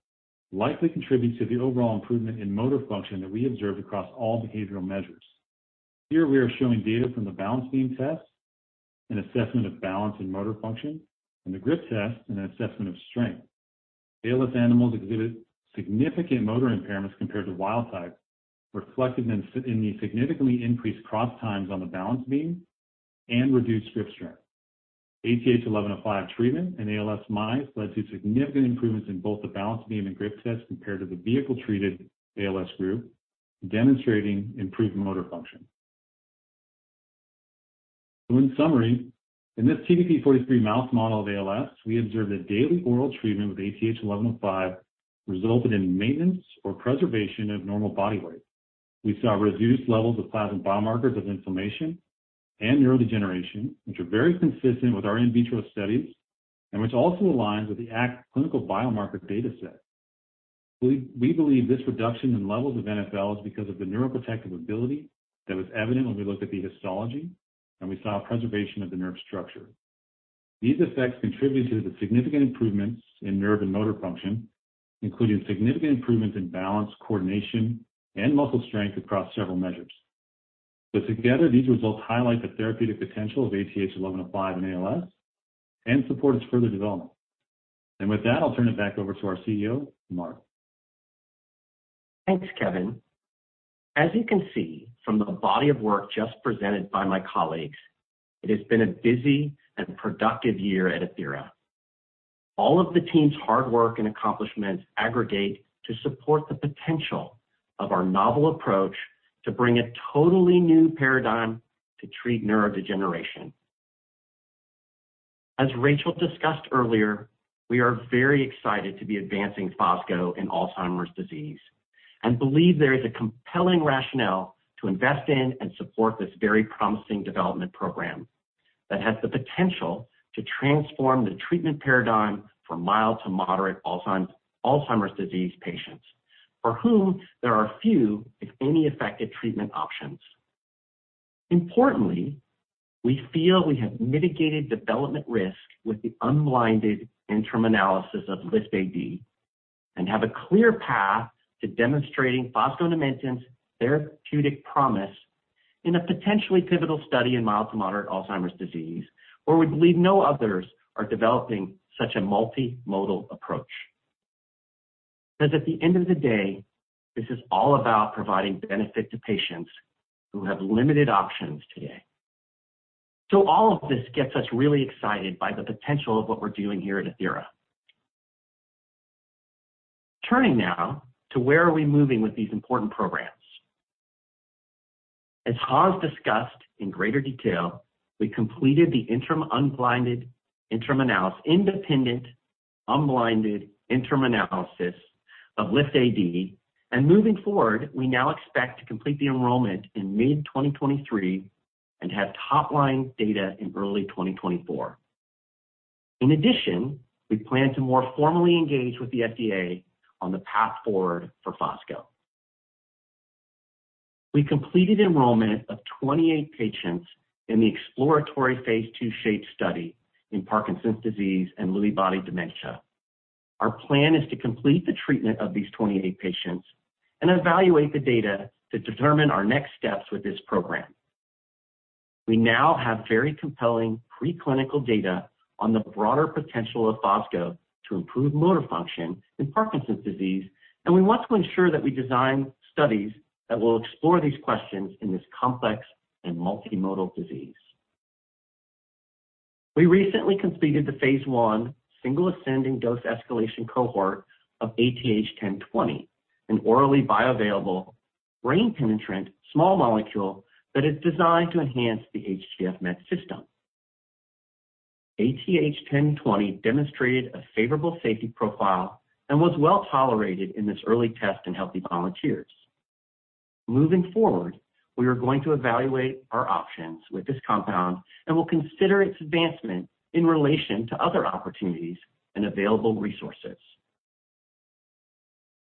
[SPEAKER 4] likely contributes to the overall improvement in motor function that we observed across all behavioral measures. Here we are showing data from the balance beam test, an assessment of balance and motor function, and the grip test, an assessment of strength. ALS animals exhibit significant motor impairments compared to wild type, reflected in the significantly increased cross times on the balance beam and reduced grip strength. ATH1105 treatment in ALS mice led to significant improvements in both the balance beam and grip tests compared to the vehicle-treated ALS group, demonstrating improved motor function. In summary, in this TDP-43 mouse model of ALS, we observed that daily oral treatment with ATH-1105 resulted in maintenance or preservation of normal body weight. We saw reduced levels of plasma biomarkers of inflammation and neurodegeneration, which are very consistent with our in vitro studies and which also aligns with the ACT clinical biomarker data set. We believe this reduction in levels of NFL is because of the neuroprotective ability that was evident when we looked at the histology and we saw preservation of the nerve structure. These effects contribute to the significant improvements in nerve and motor function, including significant improvements in balance, coordination, and muscle strength across several measures. Together, these results highlight the therapeutic potential of ATH-1105 in ALS and support its further development. With that, I'll turn it back over to our CEO, Mark.
[SPEAKER 3] Thanks, Kevin. As you can see from the body of work just presented by my colleagues, it has been a busy and productive year at Athira. All of the team's hard work and accomplishments aggregate to support the potential of our novel approach to bring a totally new paradigm to treat neurodegeneration. As Rachel discussed earlier, we are very excited to be advancing fosgo in Alzheimer's disease and believe there is a compelling rationale to invest in and support this very promising development program that has the potential to transform the treatment paradigm for mild to moderate Alzheimer's disease patients for whom there are few, if any, effective treatment options. Importantly, we feel we have mitigated development risk with the unblinded interim analysis of LIFT-AD and have a clear path to demonstrating Fosgo's therapeutic promise in a potentially pivotal study in mild to moderate Alzheimer's disease, where we believe no others are developing such a multimodal approach. 'Cause at the end of the day, this is all about providing benefit to patients who have limited options today. All of this gets us really excited by the potential of what we're doing here at Athira. Turning now to where are we moving with these important programs. As Hans discussed in greater detail, we completed the independent unblinded interim analysis of LIFT-AD. Moving forward, we now expect to complete the enrollment in mid 2023 and have top-line data in early 2024. In addition, we plan to more formally engage with the FDA on the path forward for Fosgo. We completed enrollment of 28 patients in the exploratory phase 2 SHAPE study in Parkinson's disease and Lewy body dementia. Our plan is to complete the treatment of these 28 patients and evaluate the data to determine our next steps with this program. We now have very compelling preclinical data on the broader potential of Fosgo to improve motor function in Parkinson's disease, and we want to ensure that we design studies that will explore these questions in this complex and multimodal disease. We recently completed the phase 1 single ascending dose escalation cohort of ATH-1020, an orally bioavailable brain penetrant small molecule that is designed to enhance the HGF/Met system. ATH-1020 demonstrated a favorable safety profile and was well tolerated in this early test in healthy volunteers. Moving forward, we are going to evaluate our options with this compound and will consider its advancement in relation to other opportunities and available resources.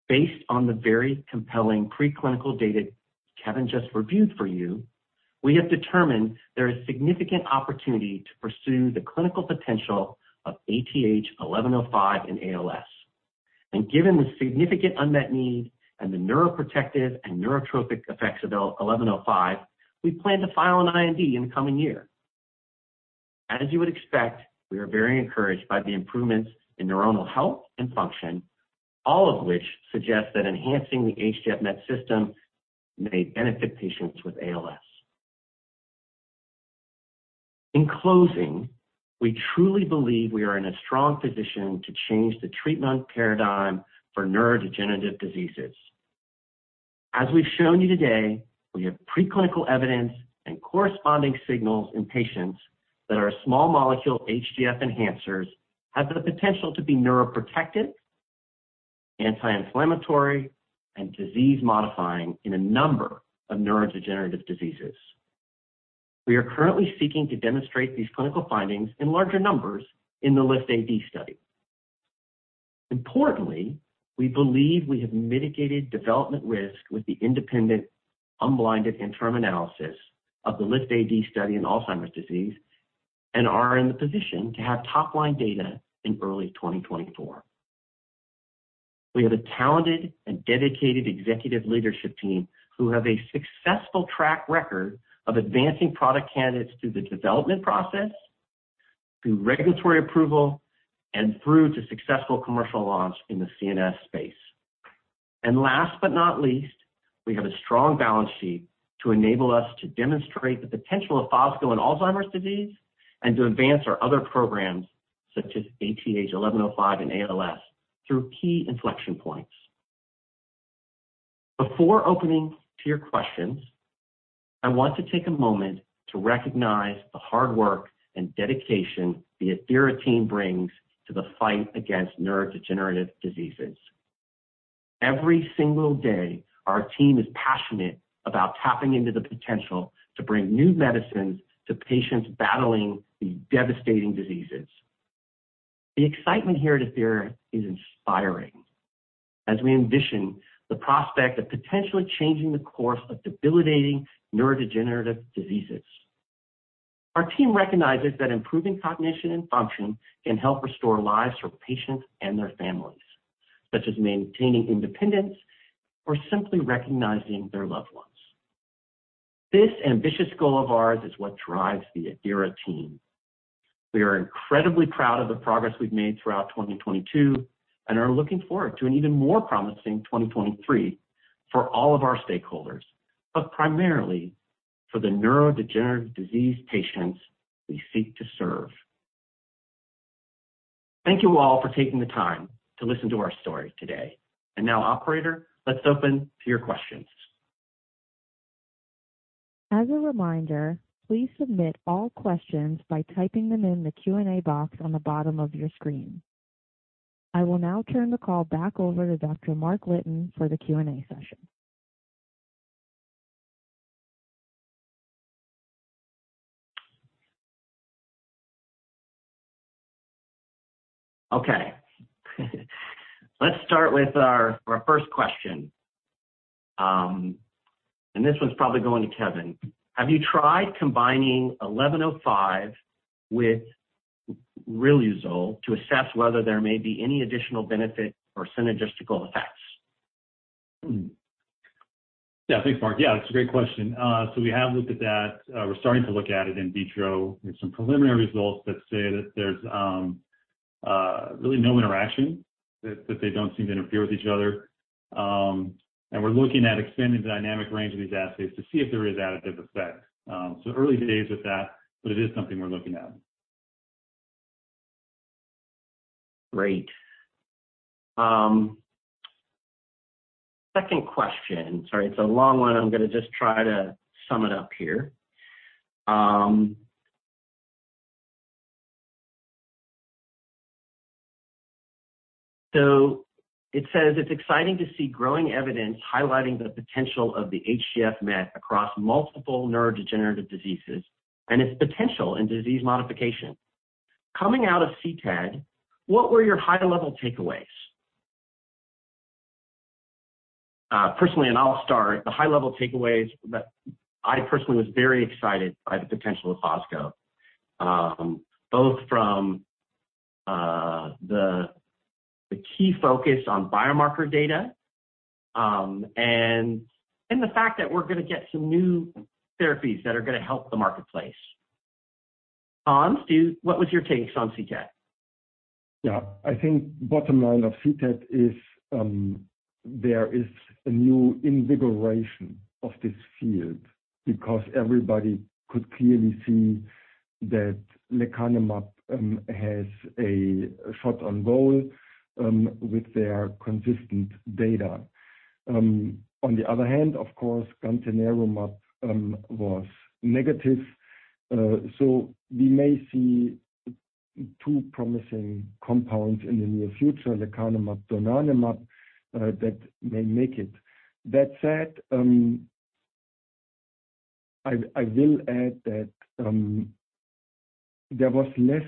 [SPEAKER 3] Based on the very compelling preclinical data Kevin just reviewed for you, we have determined there is significant opportunity to pursue the clinical potential of ATH-1105 in ALS. Given the significant unmet need and the neuroprotective and neurotrophic effects of ATH-1105, we plan to file an IND in the coming year. As you would expect, we are very encouraged by the improvements in neuronal health and function, all of which suggest that enhancing the HGF MET system may benefit patients with ALS. In closing, we truly believe we are in a strong position to change the treatment paradigm for neurodegenerative diseases. As we've shown you today, we have preclinical evidence and corresponding signals in patients that our small molecule HGF enhancers have the potential to be neuroprotective, anti-inflammatory, and disease-modifying in a number of neurodegenerative diseases. We are currently seeking to demonstrate these clinical findings in larger numbers in the LIFT-AD study. Importantly, we believe we have mitigated development risk with the independent unblinded interim analysis of the LIFT-AD study in Alzheimer's disease and are in the position to have top-line data in early 2024. We have a talented and dedicated executive leadership team who have a successful track record of advancing product candidates through the development process, through regulatory approval, and through to successful commercial launch in the CNS space. Last but not least, we have a strong balance sheet to enable us to demonstrate the potential of Fosgo in Alzheimer's disease and to advance our other programs, such as ATH-1105 in ALS, through key inflection points. Before opening to your questions, I want to take a moment to recognize the hard work and dedication the Athira team brings to the fight against neurodegenerative diseases. Every single day, our team is passionate about tapping into the potential to bring new medicines to patients battling these devastating diseases. The excitement here at Athira is inspiring as we envision the prospect of potentially changing the course of debilitating neurodegenerative diseases. Our team recognizes that improving cognition and function can help restore lives for patients and their families, such as maintaining independence or simply recognizing their loved ones. This ambitious goal of ours is what drives the Athira team. We are incredibly proud of the progress we've made throughout 2022 and are looking forward to an even more promising 2023 for all of our stakeholders, but primarily for the neurodegenerative disease patients we seek to serve. Thank you all for taking the time to listen to our story today. Now, operator, let's open to your questions.
[SPEAKER 1] As a reminder, please submit all questions by typing them in the Q&A box on the bottom of your screen. I will now turn the call back over to Dr. Mark Litton for the Q&A session.
[SPEAKER 3] Okay. Let's start with our first question. This one's probably going to Kevin. Have you tried combining 1105 with riluzole to assess whether there may be any additional benefit or synergistical effects?
[SPEAKER 4] Yeah. Thanks, Mark. Yeah, that's a great question. We have looked at that. We're starting to look at it in vitro. We have some preliminary results that say that there's really no interaction, that they don't seem to interfere with each other. And we're looking at expanding the dynamic range of these assays to see if there is additive effect. Early days with that, but it is something we're looking at.
[SPEAKER 3] Great. Second question. Sorry, it's a long one. I'm gonna just try to sum it up here. It says: It's exciting to see growing evidence highlighting the potential of the HGF/Met across multiple neurodegenerative diseases and its potential in disease modification. Coming out of CTAD, what were your high-level takeaways? Personally, I'll start. The high-level takeaways that I personally was very excited by the potential of fosgo, both from the key focus on biomarker data, and the fact that we're gonna get some new therapies that are gonna help the marketplace. Hans, What was your takes on CTAD?
[SPEAKER 5] I think bottom line of CTAD is there is a new invigoration of this field because everybody could clearly see that lecanemab has a shot on goal with their consistent data. On the other hand, of course, gantenerumab was negative. We may see two promising compounds in the near future, lecanemab, donanemab, that may make it. That said, I will add that there was less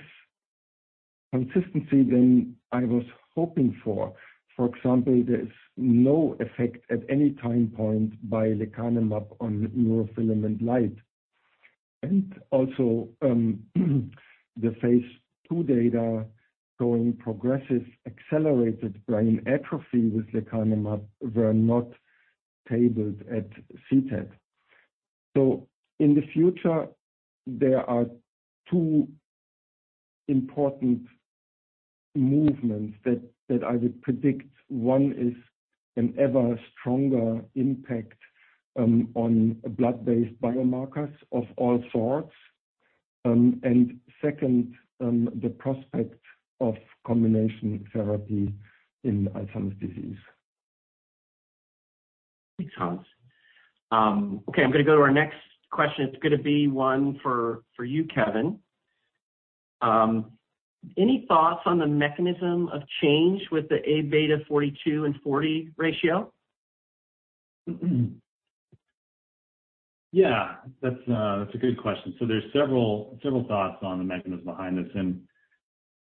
[SPEAKER 5] consistency than I was hoping for. For example, there is no effect at any time point by lecanemab on neurofilament light. Also, the phase two data showing progressive accelerated brain atrophy with lecanemab were not tabled at CTAD. In the future, there are two important movements that I would predict. One is an ever-stronger impact on blood-based biomarkers of all sorts. Second, the prospect of combination therapy in Alzheimer's disease.
[SPEAKER 3] Thanks, Hans. Okay, I'm gonna go to our next question. It's gonna be one for you, Kevin. Any thoughts on the mechanism of change with the Aβ42/Aβ40 ratio?
[SPEAKER 4] Yeah, that's a good question. There's several thoughts on the mechanism behind this.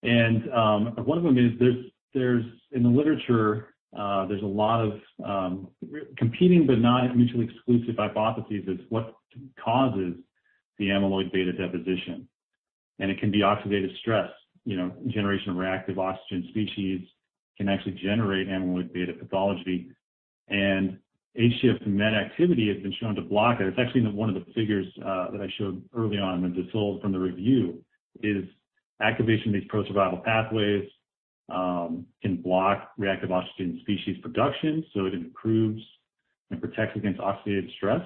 [SPEAKER 4] One of them is in the literature, there's a lot of competing but not mutually exclusive hypotheses is what causes the amyloid beta deposition. It can be oxidative stress. You know, generation of reactive oxygen species can actually generate amyloid beta pathology. HGF/Met activity has been shown to block it. It's actually in one of the figures that I showed early on when this is all from the review, is activation of these pro-survival pathways can block reactive oxygen species production, so it improves and protects against oxidative stress.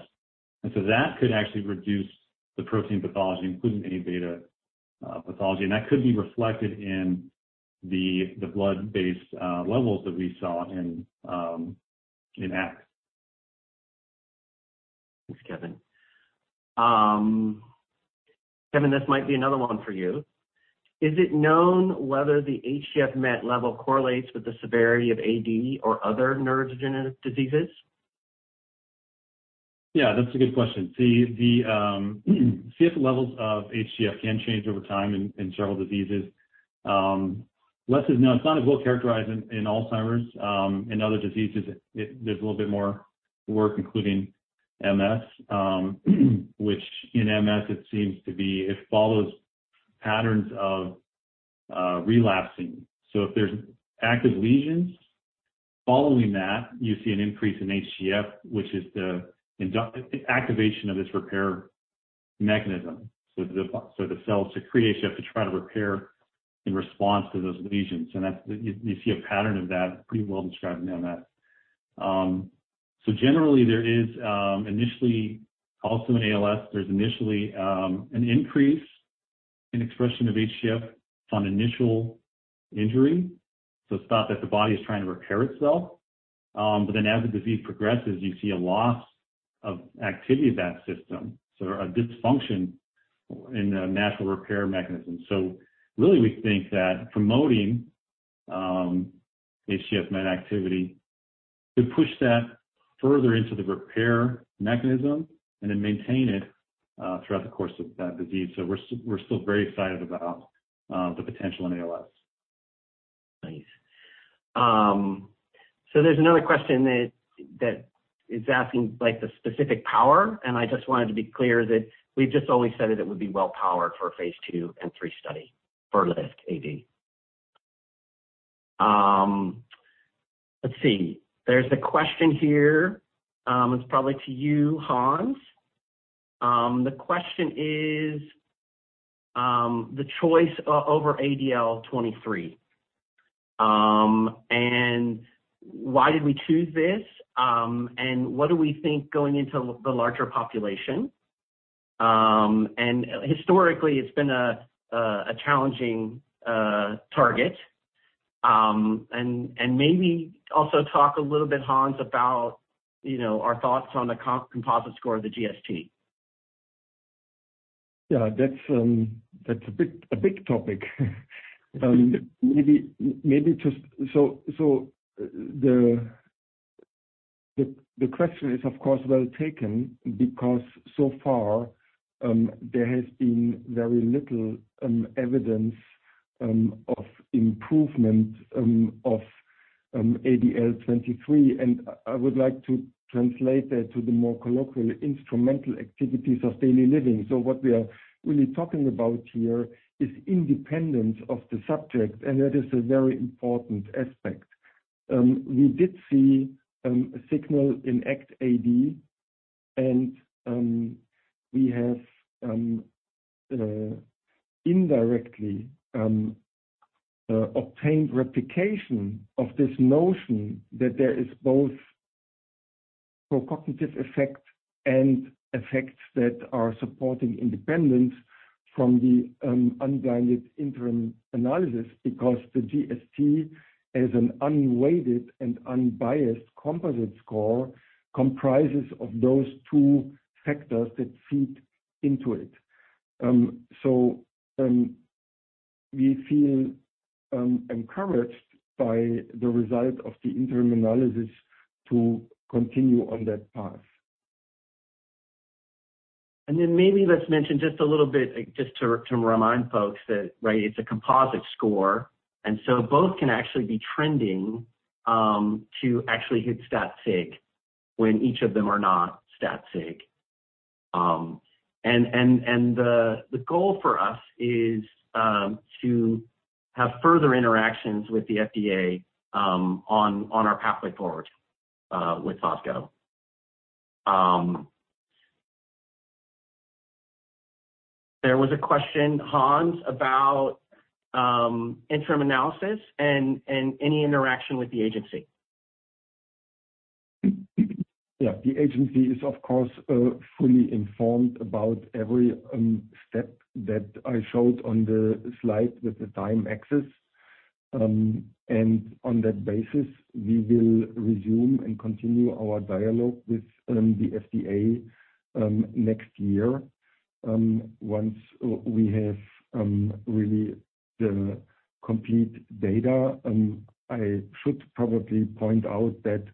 [SPEAKER 4] That could actually reduce the protein pathology, including Aβ pathology. That could be reflected in the blood-based levels that we saw in ACT.
[SPEAKER 3] Thanks, Kevin. Kevin, this might be another one for you. Is it known whether the HGF/Met level correlates with the severity of AD or other neurodegenerative diseases?
[SPEAKER 4] Yeah, that's a good question. The CF levels of HGF can change over time in several diseases. Less is known. It's not as well characterized in Alzheimer's, in other diseases. There's a little bit more work, including MS, which in MS, it seems to be it follows patterns of relapsing. If there's active lesions following that, you see an increase in HGF, which is the activation of this repair mechanism. The cells secrete HGF to try to repair in response to those lesions. You see a pattern of that pretty well described in MS. Generally there is initially also in ALS, there's initially an increase in expression of HGF on initial injury. It's thought that the body is trying to repair itself. As the disease progresses, you see a loss of activity of that system, so a dysfunction in the natural repair mechanism. Really we think that promoting HGF/Met activity could push that further into the repair mechanism and then maintain it throughout the course of that disease. We're still very excited about the potential in ALS.
[SPEAKER 3] Nice. There's another question that is asking like the specific power, and I just wanted to be clear that we've just only said that it would be well powered for a phase 2 and 3 study for LIFT-AD. Let's see. There's a question here, it's probably to you, Hans. The question is, the choice over ADCS-ADL23. Why did we choose this? What do we think going into the larger population? Historically it's been a challenging target. Maybe also talk a little bit, Hans, about, you know, our thoughts on the composite score of the GST.
[SPEAKER 5] Yeah, that's a big topic. The question is of course well taken because so far, there has been very little evidence of improvement of ADCS-ADL23. I would like to translate that to the more colloquial instrumental activities of daily living. What we are really talking about here is independence of the subject, and that is a very important aspect. We did see a signal in ACT-AD. We have indirectly obtained replication of this notion that there is both procognitive effects and effects that are supporting independence from the unblinded interim analysis because the GST as an unweighted and unbiased composite score comprises of those two factors that feed into it. We feel encouraged by the result of the interim analysis to continue on that path.
[SPEAKER 3] Maybe let's mention just a little bit, just to remind folks that, right, it's a composite score, both can actually be trending to actually hit stat sig when each of them are not stat sig. The goal for us is to have further interactions with the FDA on our pathway forward with fosgo. There was a question, Hans, about interim analysis and any interaction with the agency.
[SPEAKER 5] Yeah. The agency is, of course, fully informed about every step that I showed on the slide with the time axis. On that basis, we will resume and continue our dialogue with the FDA next year once we have really the complete data. I should probably point out that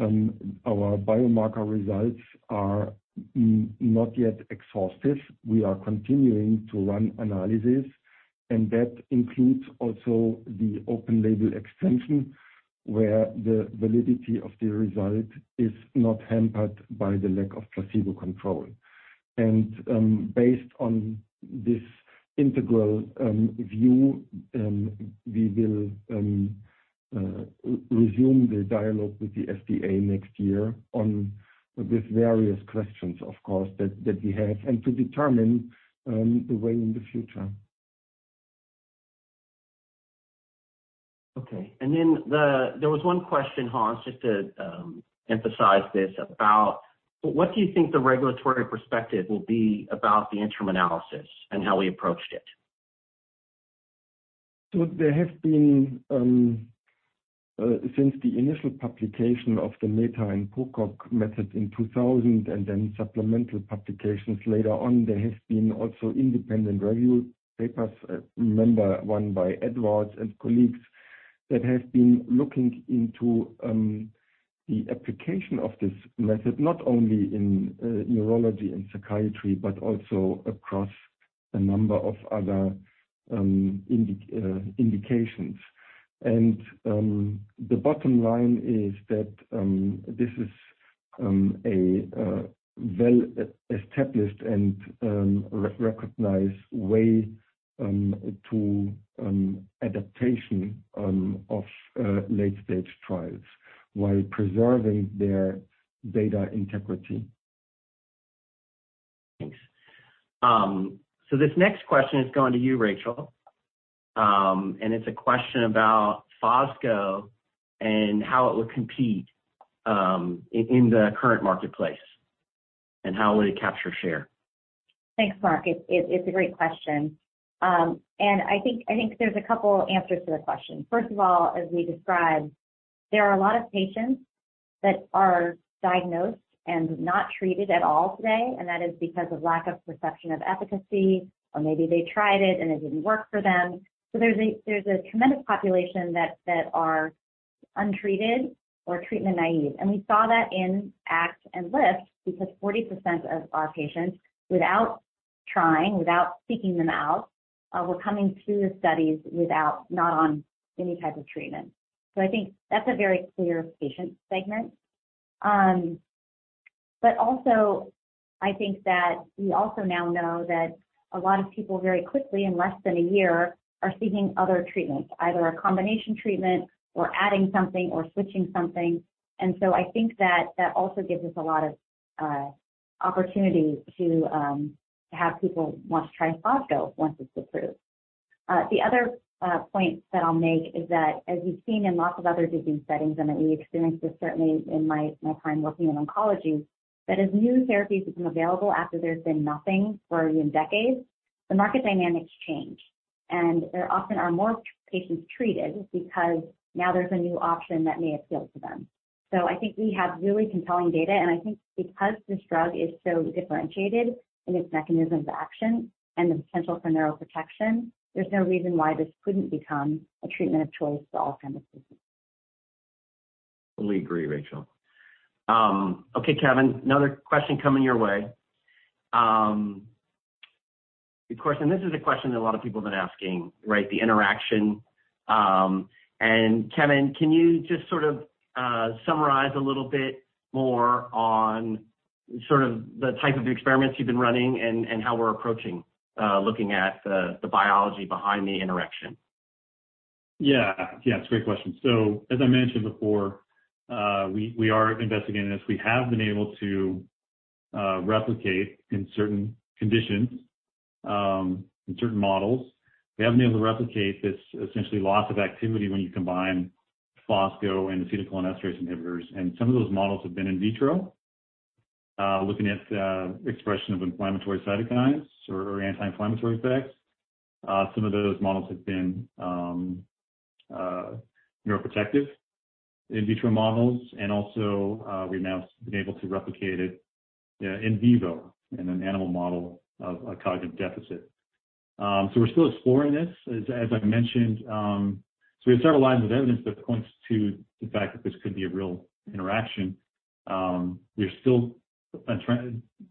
[SPEAKER 5] our biomarker results are not yet exhaustive. We are continuing to run analysis, and that includes also the open-label extension, where the validity of the result is not hampered by the lack of placebo control. Based on this integral view, we will resume the dialogue with the FDA next year with various questions, of course, that we have and to determine the way in the future.
[SPEAKER 3] Okay. There was one question, Hans, just to emphasize this, about what do you think the regulatory perspective will be about the interim analysis and how we approached it?
[SPEAKER 5] There have been since the initial publication of the Mehta and Pocock method in 2000 and then supplemental publications later on, there has been also independent review papers, remember one by Edwards and colleagues, that have been looking into the application of this method, not only in neurology and psychiatry, but also across a number of other indications. The bottom line is that this is a well established and recognized way to adaptation of late-stage trials while preserving their data integrity.
[SPEAKER 3] Thanks. This next question is going to you, Rachel. It's a question about Fosgo and how it will compete in the current marketplace, and how will it capture share.
[SPEAKER 6] Thanks, Mark. It's a great question. I think there's a couple answers to the question. First of all, as we described, there are a lot of patients that are diagnosed and not treated at all today, and that is because of lack of perception of efficacy, or maybe they tried it and it didn't work for them. There's a tremendous population that are untreated or treatment naive. We saw that in ACT-AD and LIFT-AD because 40% of our patients, without trying, without seeking them out, were coming to the studies not on any type of treatment. I think that's a very clear patient segment. Also, I think that we also now know that a lot of people very quickly, in less than 1 year, are seeking other treatments, either a combination treatment or adding something or switching something. I think that that also gives us a lot of opportunity to have people want to try fosgo once it's approved. The other point that I'll make is that as we've seen in lots of other disease settings and that we experienced this certainly in my time working in oncology, that as new therapies become available after there's been nothing for even decades, the market dynamics change. There often are more patients treated because now there's a new option that may appeal to them. I think we have really compelling data, and I think because this drug is so differentiated in its mechanism of action and the potential for neuroprotection, there's no reason why this couldn't become a treatment of choice for all kinds of patients.
[SPEAKER 3] Totally agree, Rachel. Okay, Kevin, another question coming your way. Of course, this is a question that a lot of people have been asking, right? The interaction. Kevin, can you just sort of summarize a little bit more on sort of the type of experiments you've been running and how we're approaching looking at the biology behind the interaction?
[SPEAKER 4] Yeah. Yeah, it's a great question. As I mentioned before, we are investigating this. We have been able to replicate in certain conditions, in certain models. We have been able to replicate this essentially loss of activity when you combine Fosgo and acetylcholinesterase inhibitors. Some of those models have been in vitro, looking at expression of inflammatory cytokines or anti-inflammatory effects. Some of those models have been neuroprotective in vitro models. Also, we've now been able to replicate it in vivo in an animal model of a cognitive deficit. We're still exploring this. As I mentioned, we have several lines of evidence that points to the fact that this could be a real interaction. We're still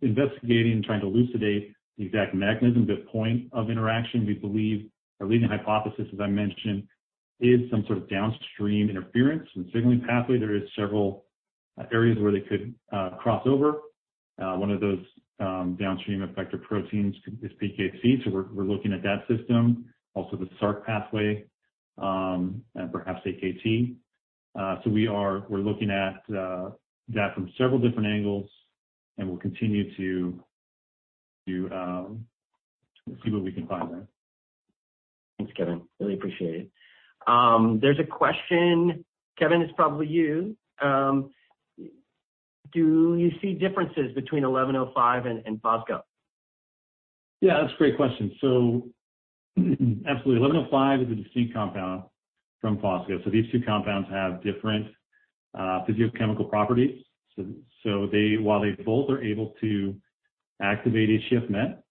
[SPEAKER 4] investigating, trying to elucidate the exact mechanism, the point of interaction. We believe our leading hypothesis, as I mentioned, is some sort of downstream interference in the signaling pathway. There is several areas where they could cross over. One of those downstream effector proteins is PKC, so we're looking at that system, also the SRC pathway, and perhaps AKT. We're looking at that from several different angles, and we'll continue to see what we can find there.
[SPEAKER 3] Thanks, Kevin. Really appreciate it. There's a question. Kevin, it's probably you. Do you see differences between 1105 and fosgo?
[SPEAKER 4] Yeah, that's a great question. Absolutely. 1105 is a distinct compound from Fosgo. These two compounds have different physiochemical properties. while they both are able to activate HGF/Met,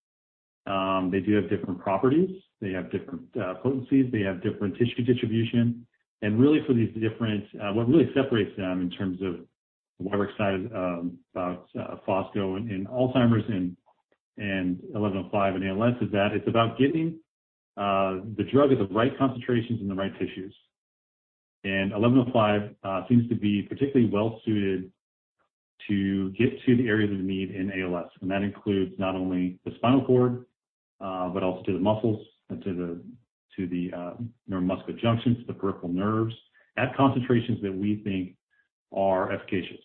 [SPEAKER 4] they do have different properties. They have different potencies. They have different tissue distribution. Really for these different, what really separates them in terms of why we're excited about Fosgo in Alzheimer's and 1105 in ALS is that it's about getting the drug at the right concentrations in the right tissues. 1105 seems to be particularly well suited to get to the areas of need in ALS, and that includes not only the spinal cord, but also to the muscles and to the neuromuscular junctions, the peripheral nerves, at concentrations that we think are efficacious.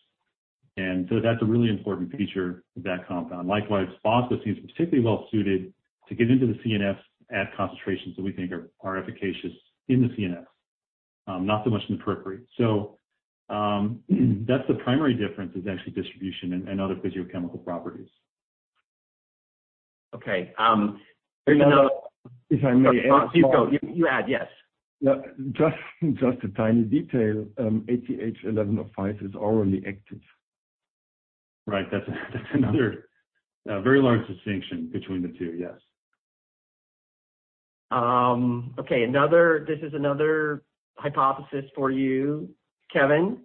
[SPEAKER 4] That's a really important feature of that compound. Likewise, fosgo seems particularly well suited to get into the CNS at concentrations that we think are efficacious in the CNS, not so much in the periphery. That's the primary difference is actually distribution and other physiochemical properties.
[SPEAKER 3] Okay. There's.
[SPEAKER 5] If I may add a small-
[SPEAKER 3] Please go. You add, yes.
[SPEAKER 5] Yeah. Just a tiny detail. ATH-1105 is already active.
[SPEAKER 4] Right. That's another very large distinction between the two, yes.
[SPEAKER 3] Okay. Another. This is another hypothesis for you, Kevin.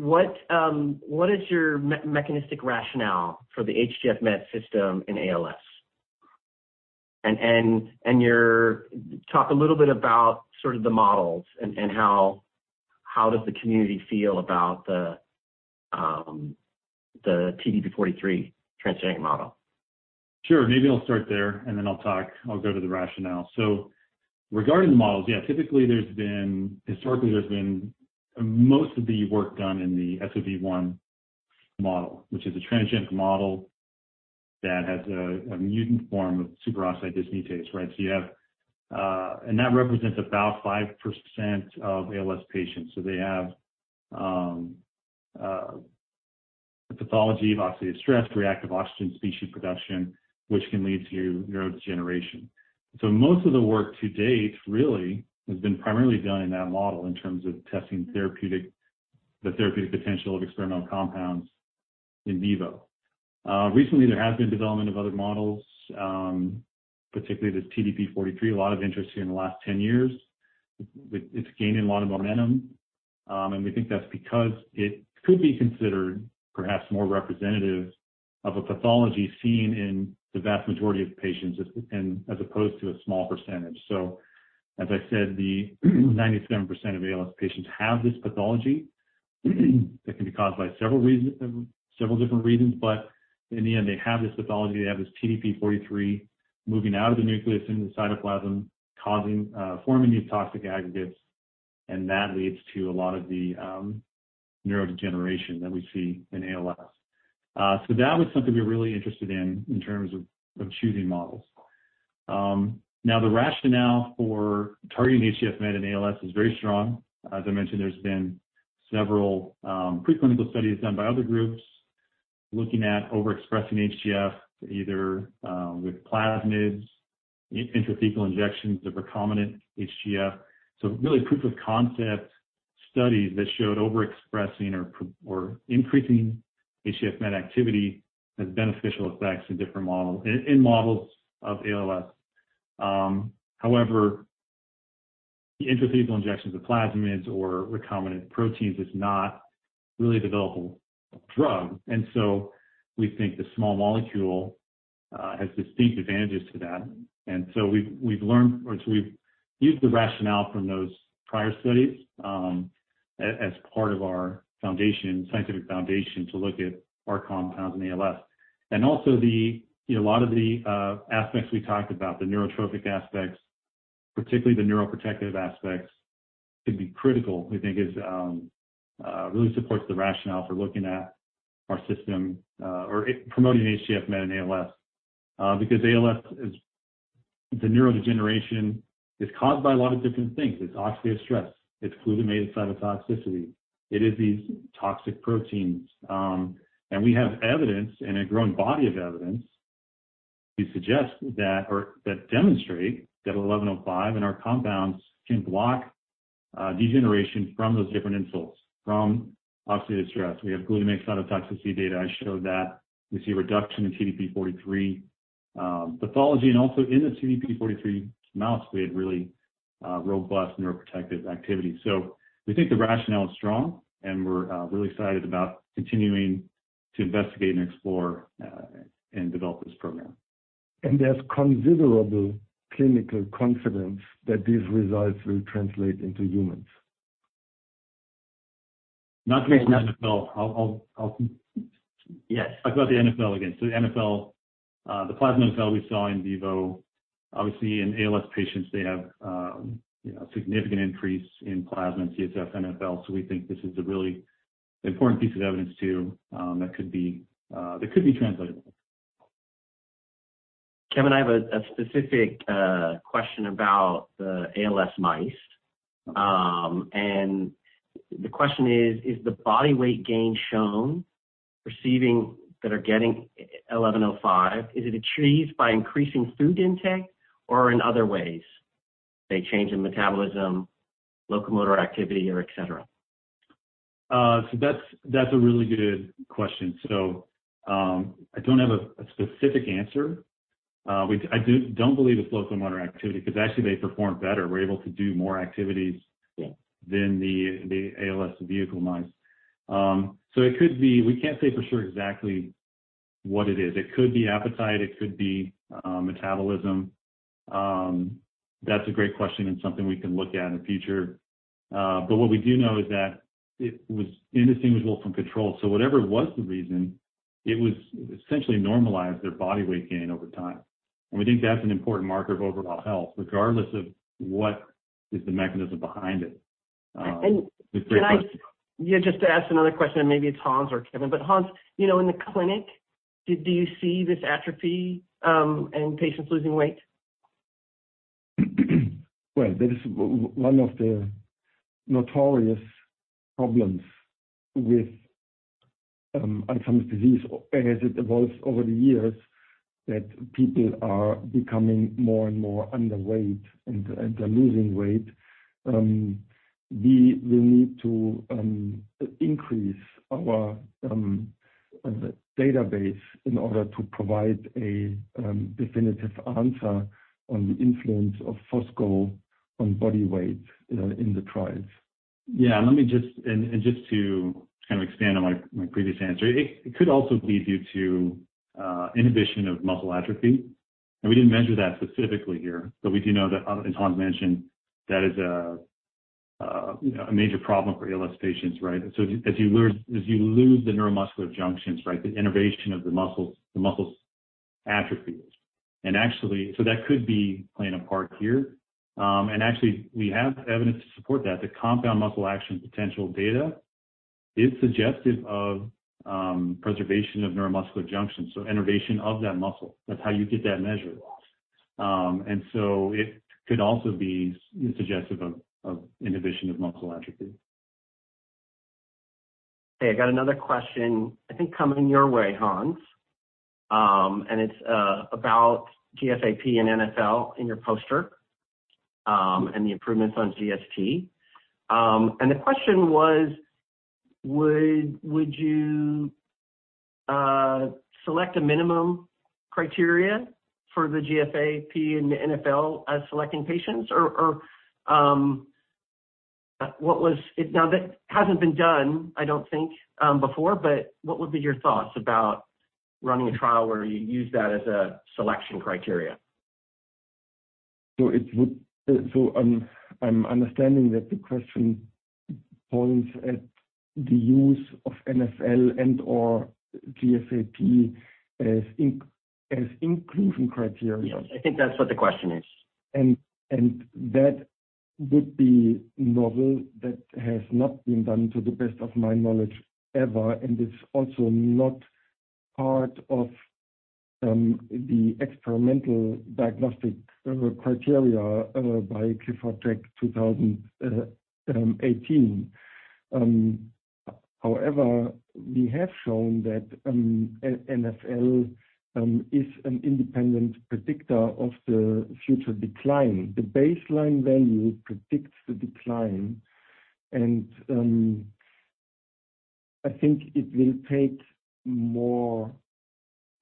[SPEAKER 3] What is your mechanistic rationale for the HGF/Met system in ALS? Your Talk a little bit about sort of the models and how does the community feel about the TDP-43 transgenic model?
[SPEAKER 4] Sure. Maybe I'll start there, and then I'll go to the rationale. Regarding the models, yeah, typically historically, there's been most of the work done in the SOD1 model, which is a transgenic model that has a mutant form of superoxide dismutase, right? You have. That represents about 5% of ALS patients. They have pathology of oxidative stress, reactive oxygen species production, which can lead to neurodegeneration. Most of the work to date really has been primarily done in that model in terms of testing the therapeutic potential of experimental compounds in vivo. Recently there has been development of other models, particularly this TDP-43. A lot of interest here in the last 10 years. It's gaining a lot of momentum. We think that's because it could be considered perhaps more representative of a pathology seen in the vast majority of patients as opposed to a small percentage. As I said, the 97% of ALS patients have this pathology that can be caused by several reason, several different reasons. In the end, they have this pathology. They have this TDP-43 moving out of the nucleus into the cytoplasm, causing, forming these toxic aggregates. That leads to a lot of the neurodegeneration that we see in ALS. That was something we're really interested in terms of choosing models. The rationale for targeting HGF met in ALS is very strong.
[SPEAKER 3] As I mentioned, there's been several preclinical studies done by other groups looking at overexpressing HGF either with plasmids, intrathecal injections of recombinant HGF. Really proof of concept studies that showed overexpressing or increasing HGF Met activity has beneficial effects in different models, in models of ALS. However, intrathecal injections of plasmids or recombinant proteins is not really a developable drug. We think the small molecule has distinct advantages to that.
[SPEAKER 4] We've learned, or we've used the rationale from those prior studies, as part of our foundation, scientific foundation to look at our compounds in ALS. Also the, you know, a lot of the aspects we talked about, the neurotrophic aspects, particularly the neuroprotective aspects, could be critical, we think is really supports the rationale for looking at our system, or promoting HGF/Met in ALS. ALS is the neurodegeneration is caused by a lot of different things. It's oxidative stress, it's glutamate cytotoxicity, it is these toxic proteins. We have evidence and a growing body of evidence to suggest that or that demonstrate that 1105 and our compounds can block degeneration from those different insults. From oxidative stress, we have glutamate cytotoxicity data. I showed that we see a reduction in TDP-43, pathology and also in the TDP-43 mouse we had really, robust neuroprotective activity. We think the rationale is strong, and we're really excited about continuing to investigate and explore, and develop this program.
[SPEAKER 5] There's considerable clinical confidence that these results will translate into humans.
[SPEAKER 4] Not to mention NFL.
[SPEAKER 3] Yes.
[SPEAKER 4] Talk about the NFL again. The NFL, the plasma NFL we saw in vivo, obviously in ALS patients, they have, you know, significant increase in plasma and CSF NFL. We think this is a really important piece of evidence too, that could be translatable.
[SPEAKER 3] Kevin, I have a specific question about the ALS mice. The question is the body weight gain shown receiving that are getting 1105? Is it achieved by increasing food intake or in other ways? A change in metabolism, locomotor activity or et cetera?
[SPEAKER 4] That's a really good question. I don't have a specific answer. I don't believe it's locomotor activity because actually they perform better. We're able to do more activities.
[SPEAKER 3] Yeah
[SPEAKER 4] than the ALS vehicle mice. It could be we can't say for sure exactly what it is. It could be appetite, it could be metabolism. That's a great question and something we can look at in the future. But what we do know is that it was indistinguishable from control. Whatever was the reason, it was essentially normalized their body weight gain over time. We think that's an important marker of overall health, regardless of what is the mechanism behind it. It's a great question.
[SPEAKER 3] Can I, yeah, just to ask another question, and maybe it's Hans or Kevin, but Hans, you know, in the clinic, do you see this atrophy in patients losing weight?
[SPEAKER 5] Well, that is one of the notorious problems with Alzheimer's disease as it evolves over the years, that people are becoming more and more underweight and they're losing weight. We will need to increase our database in order to provide a definitive answer on the influence of Fosgo on body weight, you know, in the trials.
[SPEAKER 4] Yeah. Let me just... Just to kind of expand on my previous answer, it could also be due to inhibition of muscle atrophy. We didn't measure that specifically here, but we do know that, and Hans mentioned, that is a, you know, a major problem for ALS patients, right? As you lose the neuromuscular junctions, right, the innervation of the muscles, the muscles atrophy. That could be playing a part here. Actually we have evidence to support that. The compound muscle action potential data is suggestive of preservation of neuromuscular junction. Innervation of that muscle, that's how you get that measure. It could also be suggestive of inhibition of muscle atrophy.
[SPEAKER 3] Okay, I got another question, I think coming your way, Hans. It's about GFAP and NFL in your poster, and the improvements on GST. The question was, would you select a minimum criteria for the GFAP and the NFL as selecting patients? Or, what was it... Now, that hasn't been done, I don't think, before, but what would be your thoughts about running a trial where you use that as a selection criteria?
[SPEAKER 5] I'm understanding that the question points at the use of NFL and or GFAP as inclusion criteria.
[SPEAKER 3] Yes. I think that's what the question is.
[SPEAKER 5] That would be novel. That has not been done, to the best of my knowledge, ever. It's also not part of the experimental diagnostic criteria by IWG-2 criteria, 18. However, we have shown that N-NFL is an independent predictor of the future decline. The baseline value predicts the decline, and I think it will take more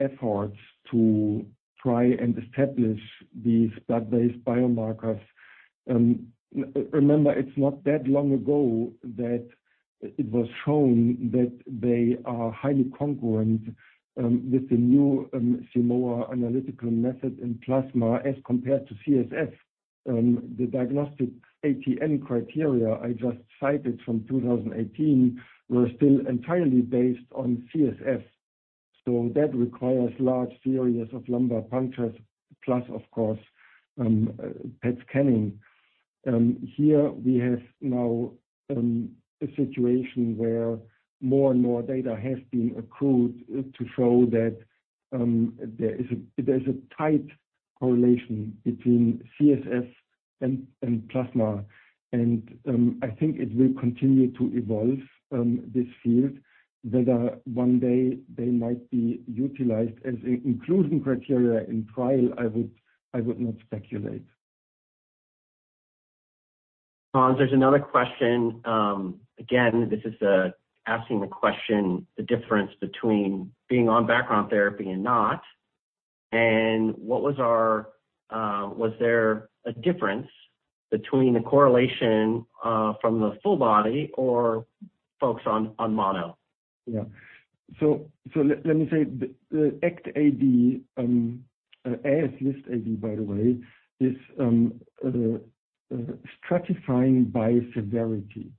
[SPEAKER 5] efforts to try and establish these blood-based biomarkers. Remember, it's not that long ago that it was shown that they are highly congruent with the new Simoa analytical method in plasma as compared to CSF. The diagnostic ATN criteria I just cited from 2018 were still entirely based on CSF. That requires large series of lumbar punctures plus, of course, PET scanning. Here we have now, a situation where more and more data has been accrued, to show that, there's a tight correlation between CSF and plasma. I think it will continue to evolve, this field. Whether one day they might be utilized as an inclusion criteria in trial, I would not speculate.
[SPEAKER 3] Hans, there's another question. Again, this is asking the question, the difference between being on background therapy and not. Was there a difference between the correlation from the full body or focused on mono?
[SPEAKER 5] Let me say the ACT-AD, LIFT- AD, by the way, is stratifying by severity.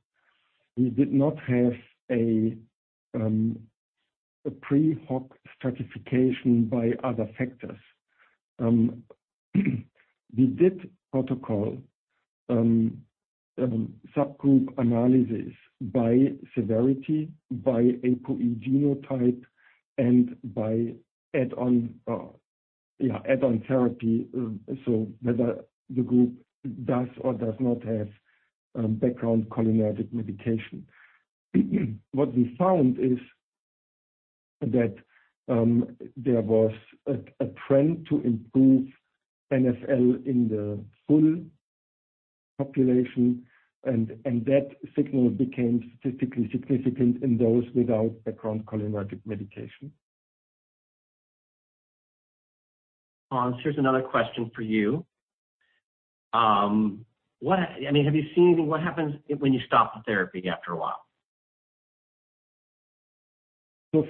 [SPEAKER 5] We did not have a pre-hoc stratification by other factors. We did protocol subgroup analysis by severity, by APOE genotype, and by add-on therapy, so whether the group does or does not have background cholinergic medication. We found that there was a trend to improve NFL in the full population and that signal became statistically significant in those without background cholinergic medication.
[SPEAKER 3] Hans, here's another question for you. I mean, have you seen what happens when you stop the therapy after a while?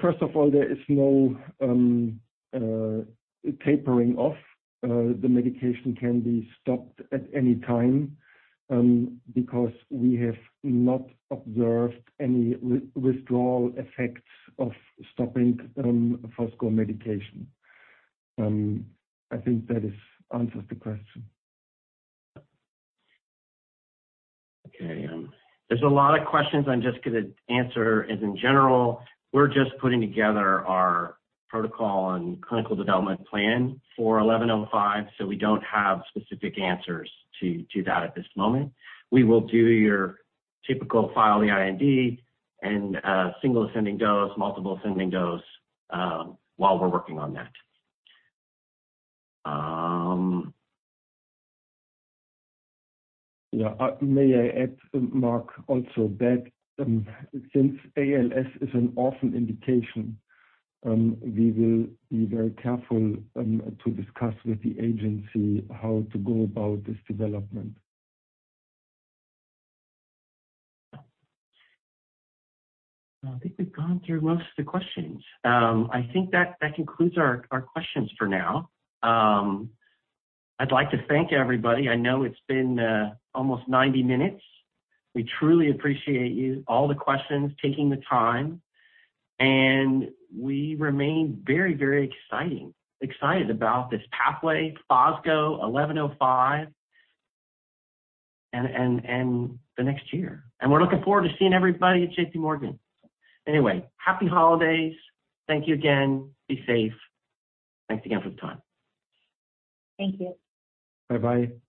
[SPEAKER 5] First of all, there is no tapering off. The medication can be stopped at any time because we have not observed any withdrawal effects of stopping, fosgo medication. I think that answers the question.
[SPEAKER 3] Okay. There's a lot of questions I'm just gonna answer as in general. We're just putting together our protocol and clinical development plan for 1105, we don't have specific answers to that at this moment. We will do your typical file the IND and single ascending dose, multiple ascending dose while we're working on that.
[SPEAKER 5] May I add, Mark, also that, since ALS is an orphan indication, we will be very careful to discuss with the agency how to go about this development.
[SPEAKER 3] I think we've gone through most of the questions. I think that concludes our questions for now. I'd like to thank everybody. I know it's been almost 90 minutes. We truly appreciate you, all the questions, taking the time, and we remain very excited about this pathway, fosgo 1105, and the next year. We're looking forward to seeing everybody at J.P. Morgan. Happy Holidays. Thank you again. Be safe. Thanks again for the time.
[SPEAKER 1] Thank you.
[SPEAKER 5] Bye-bye.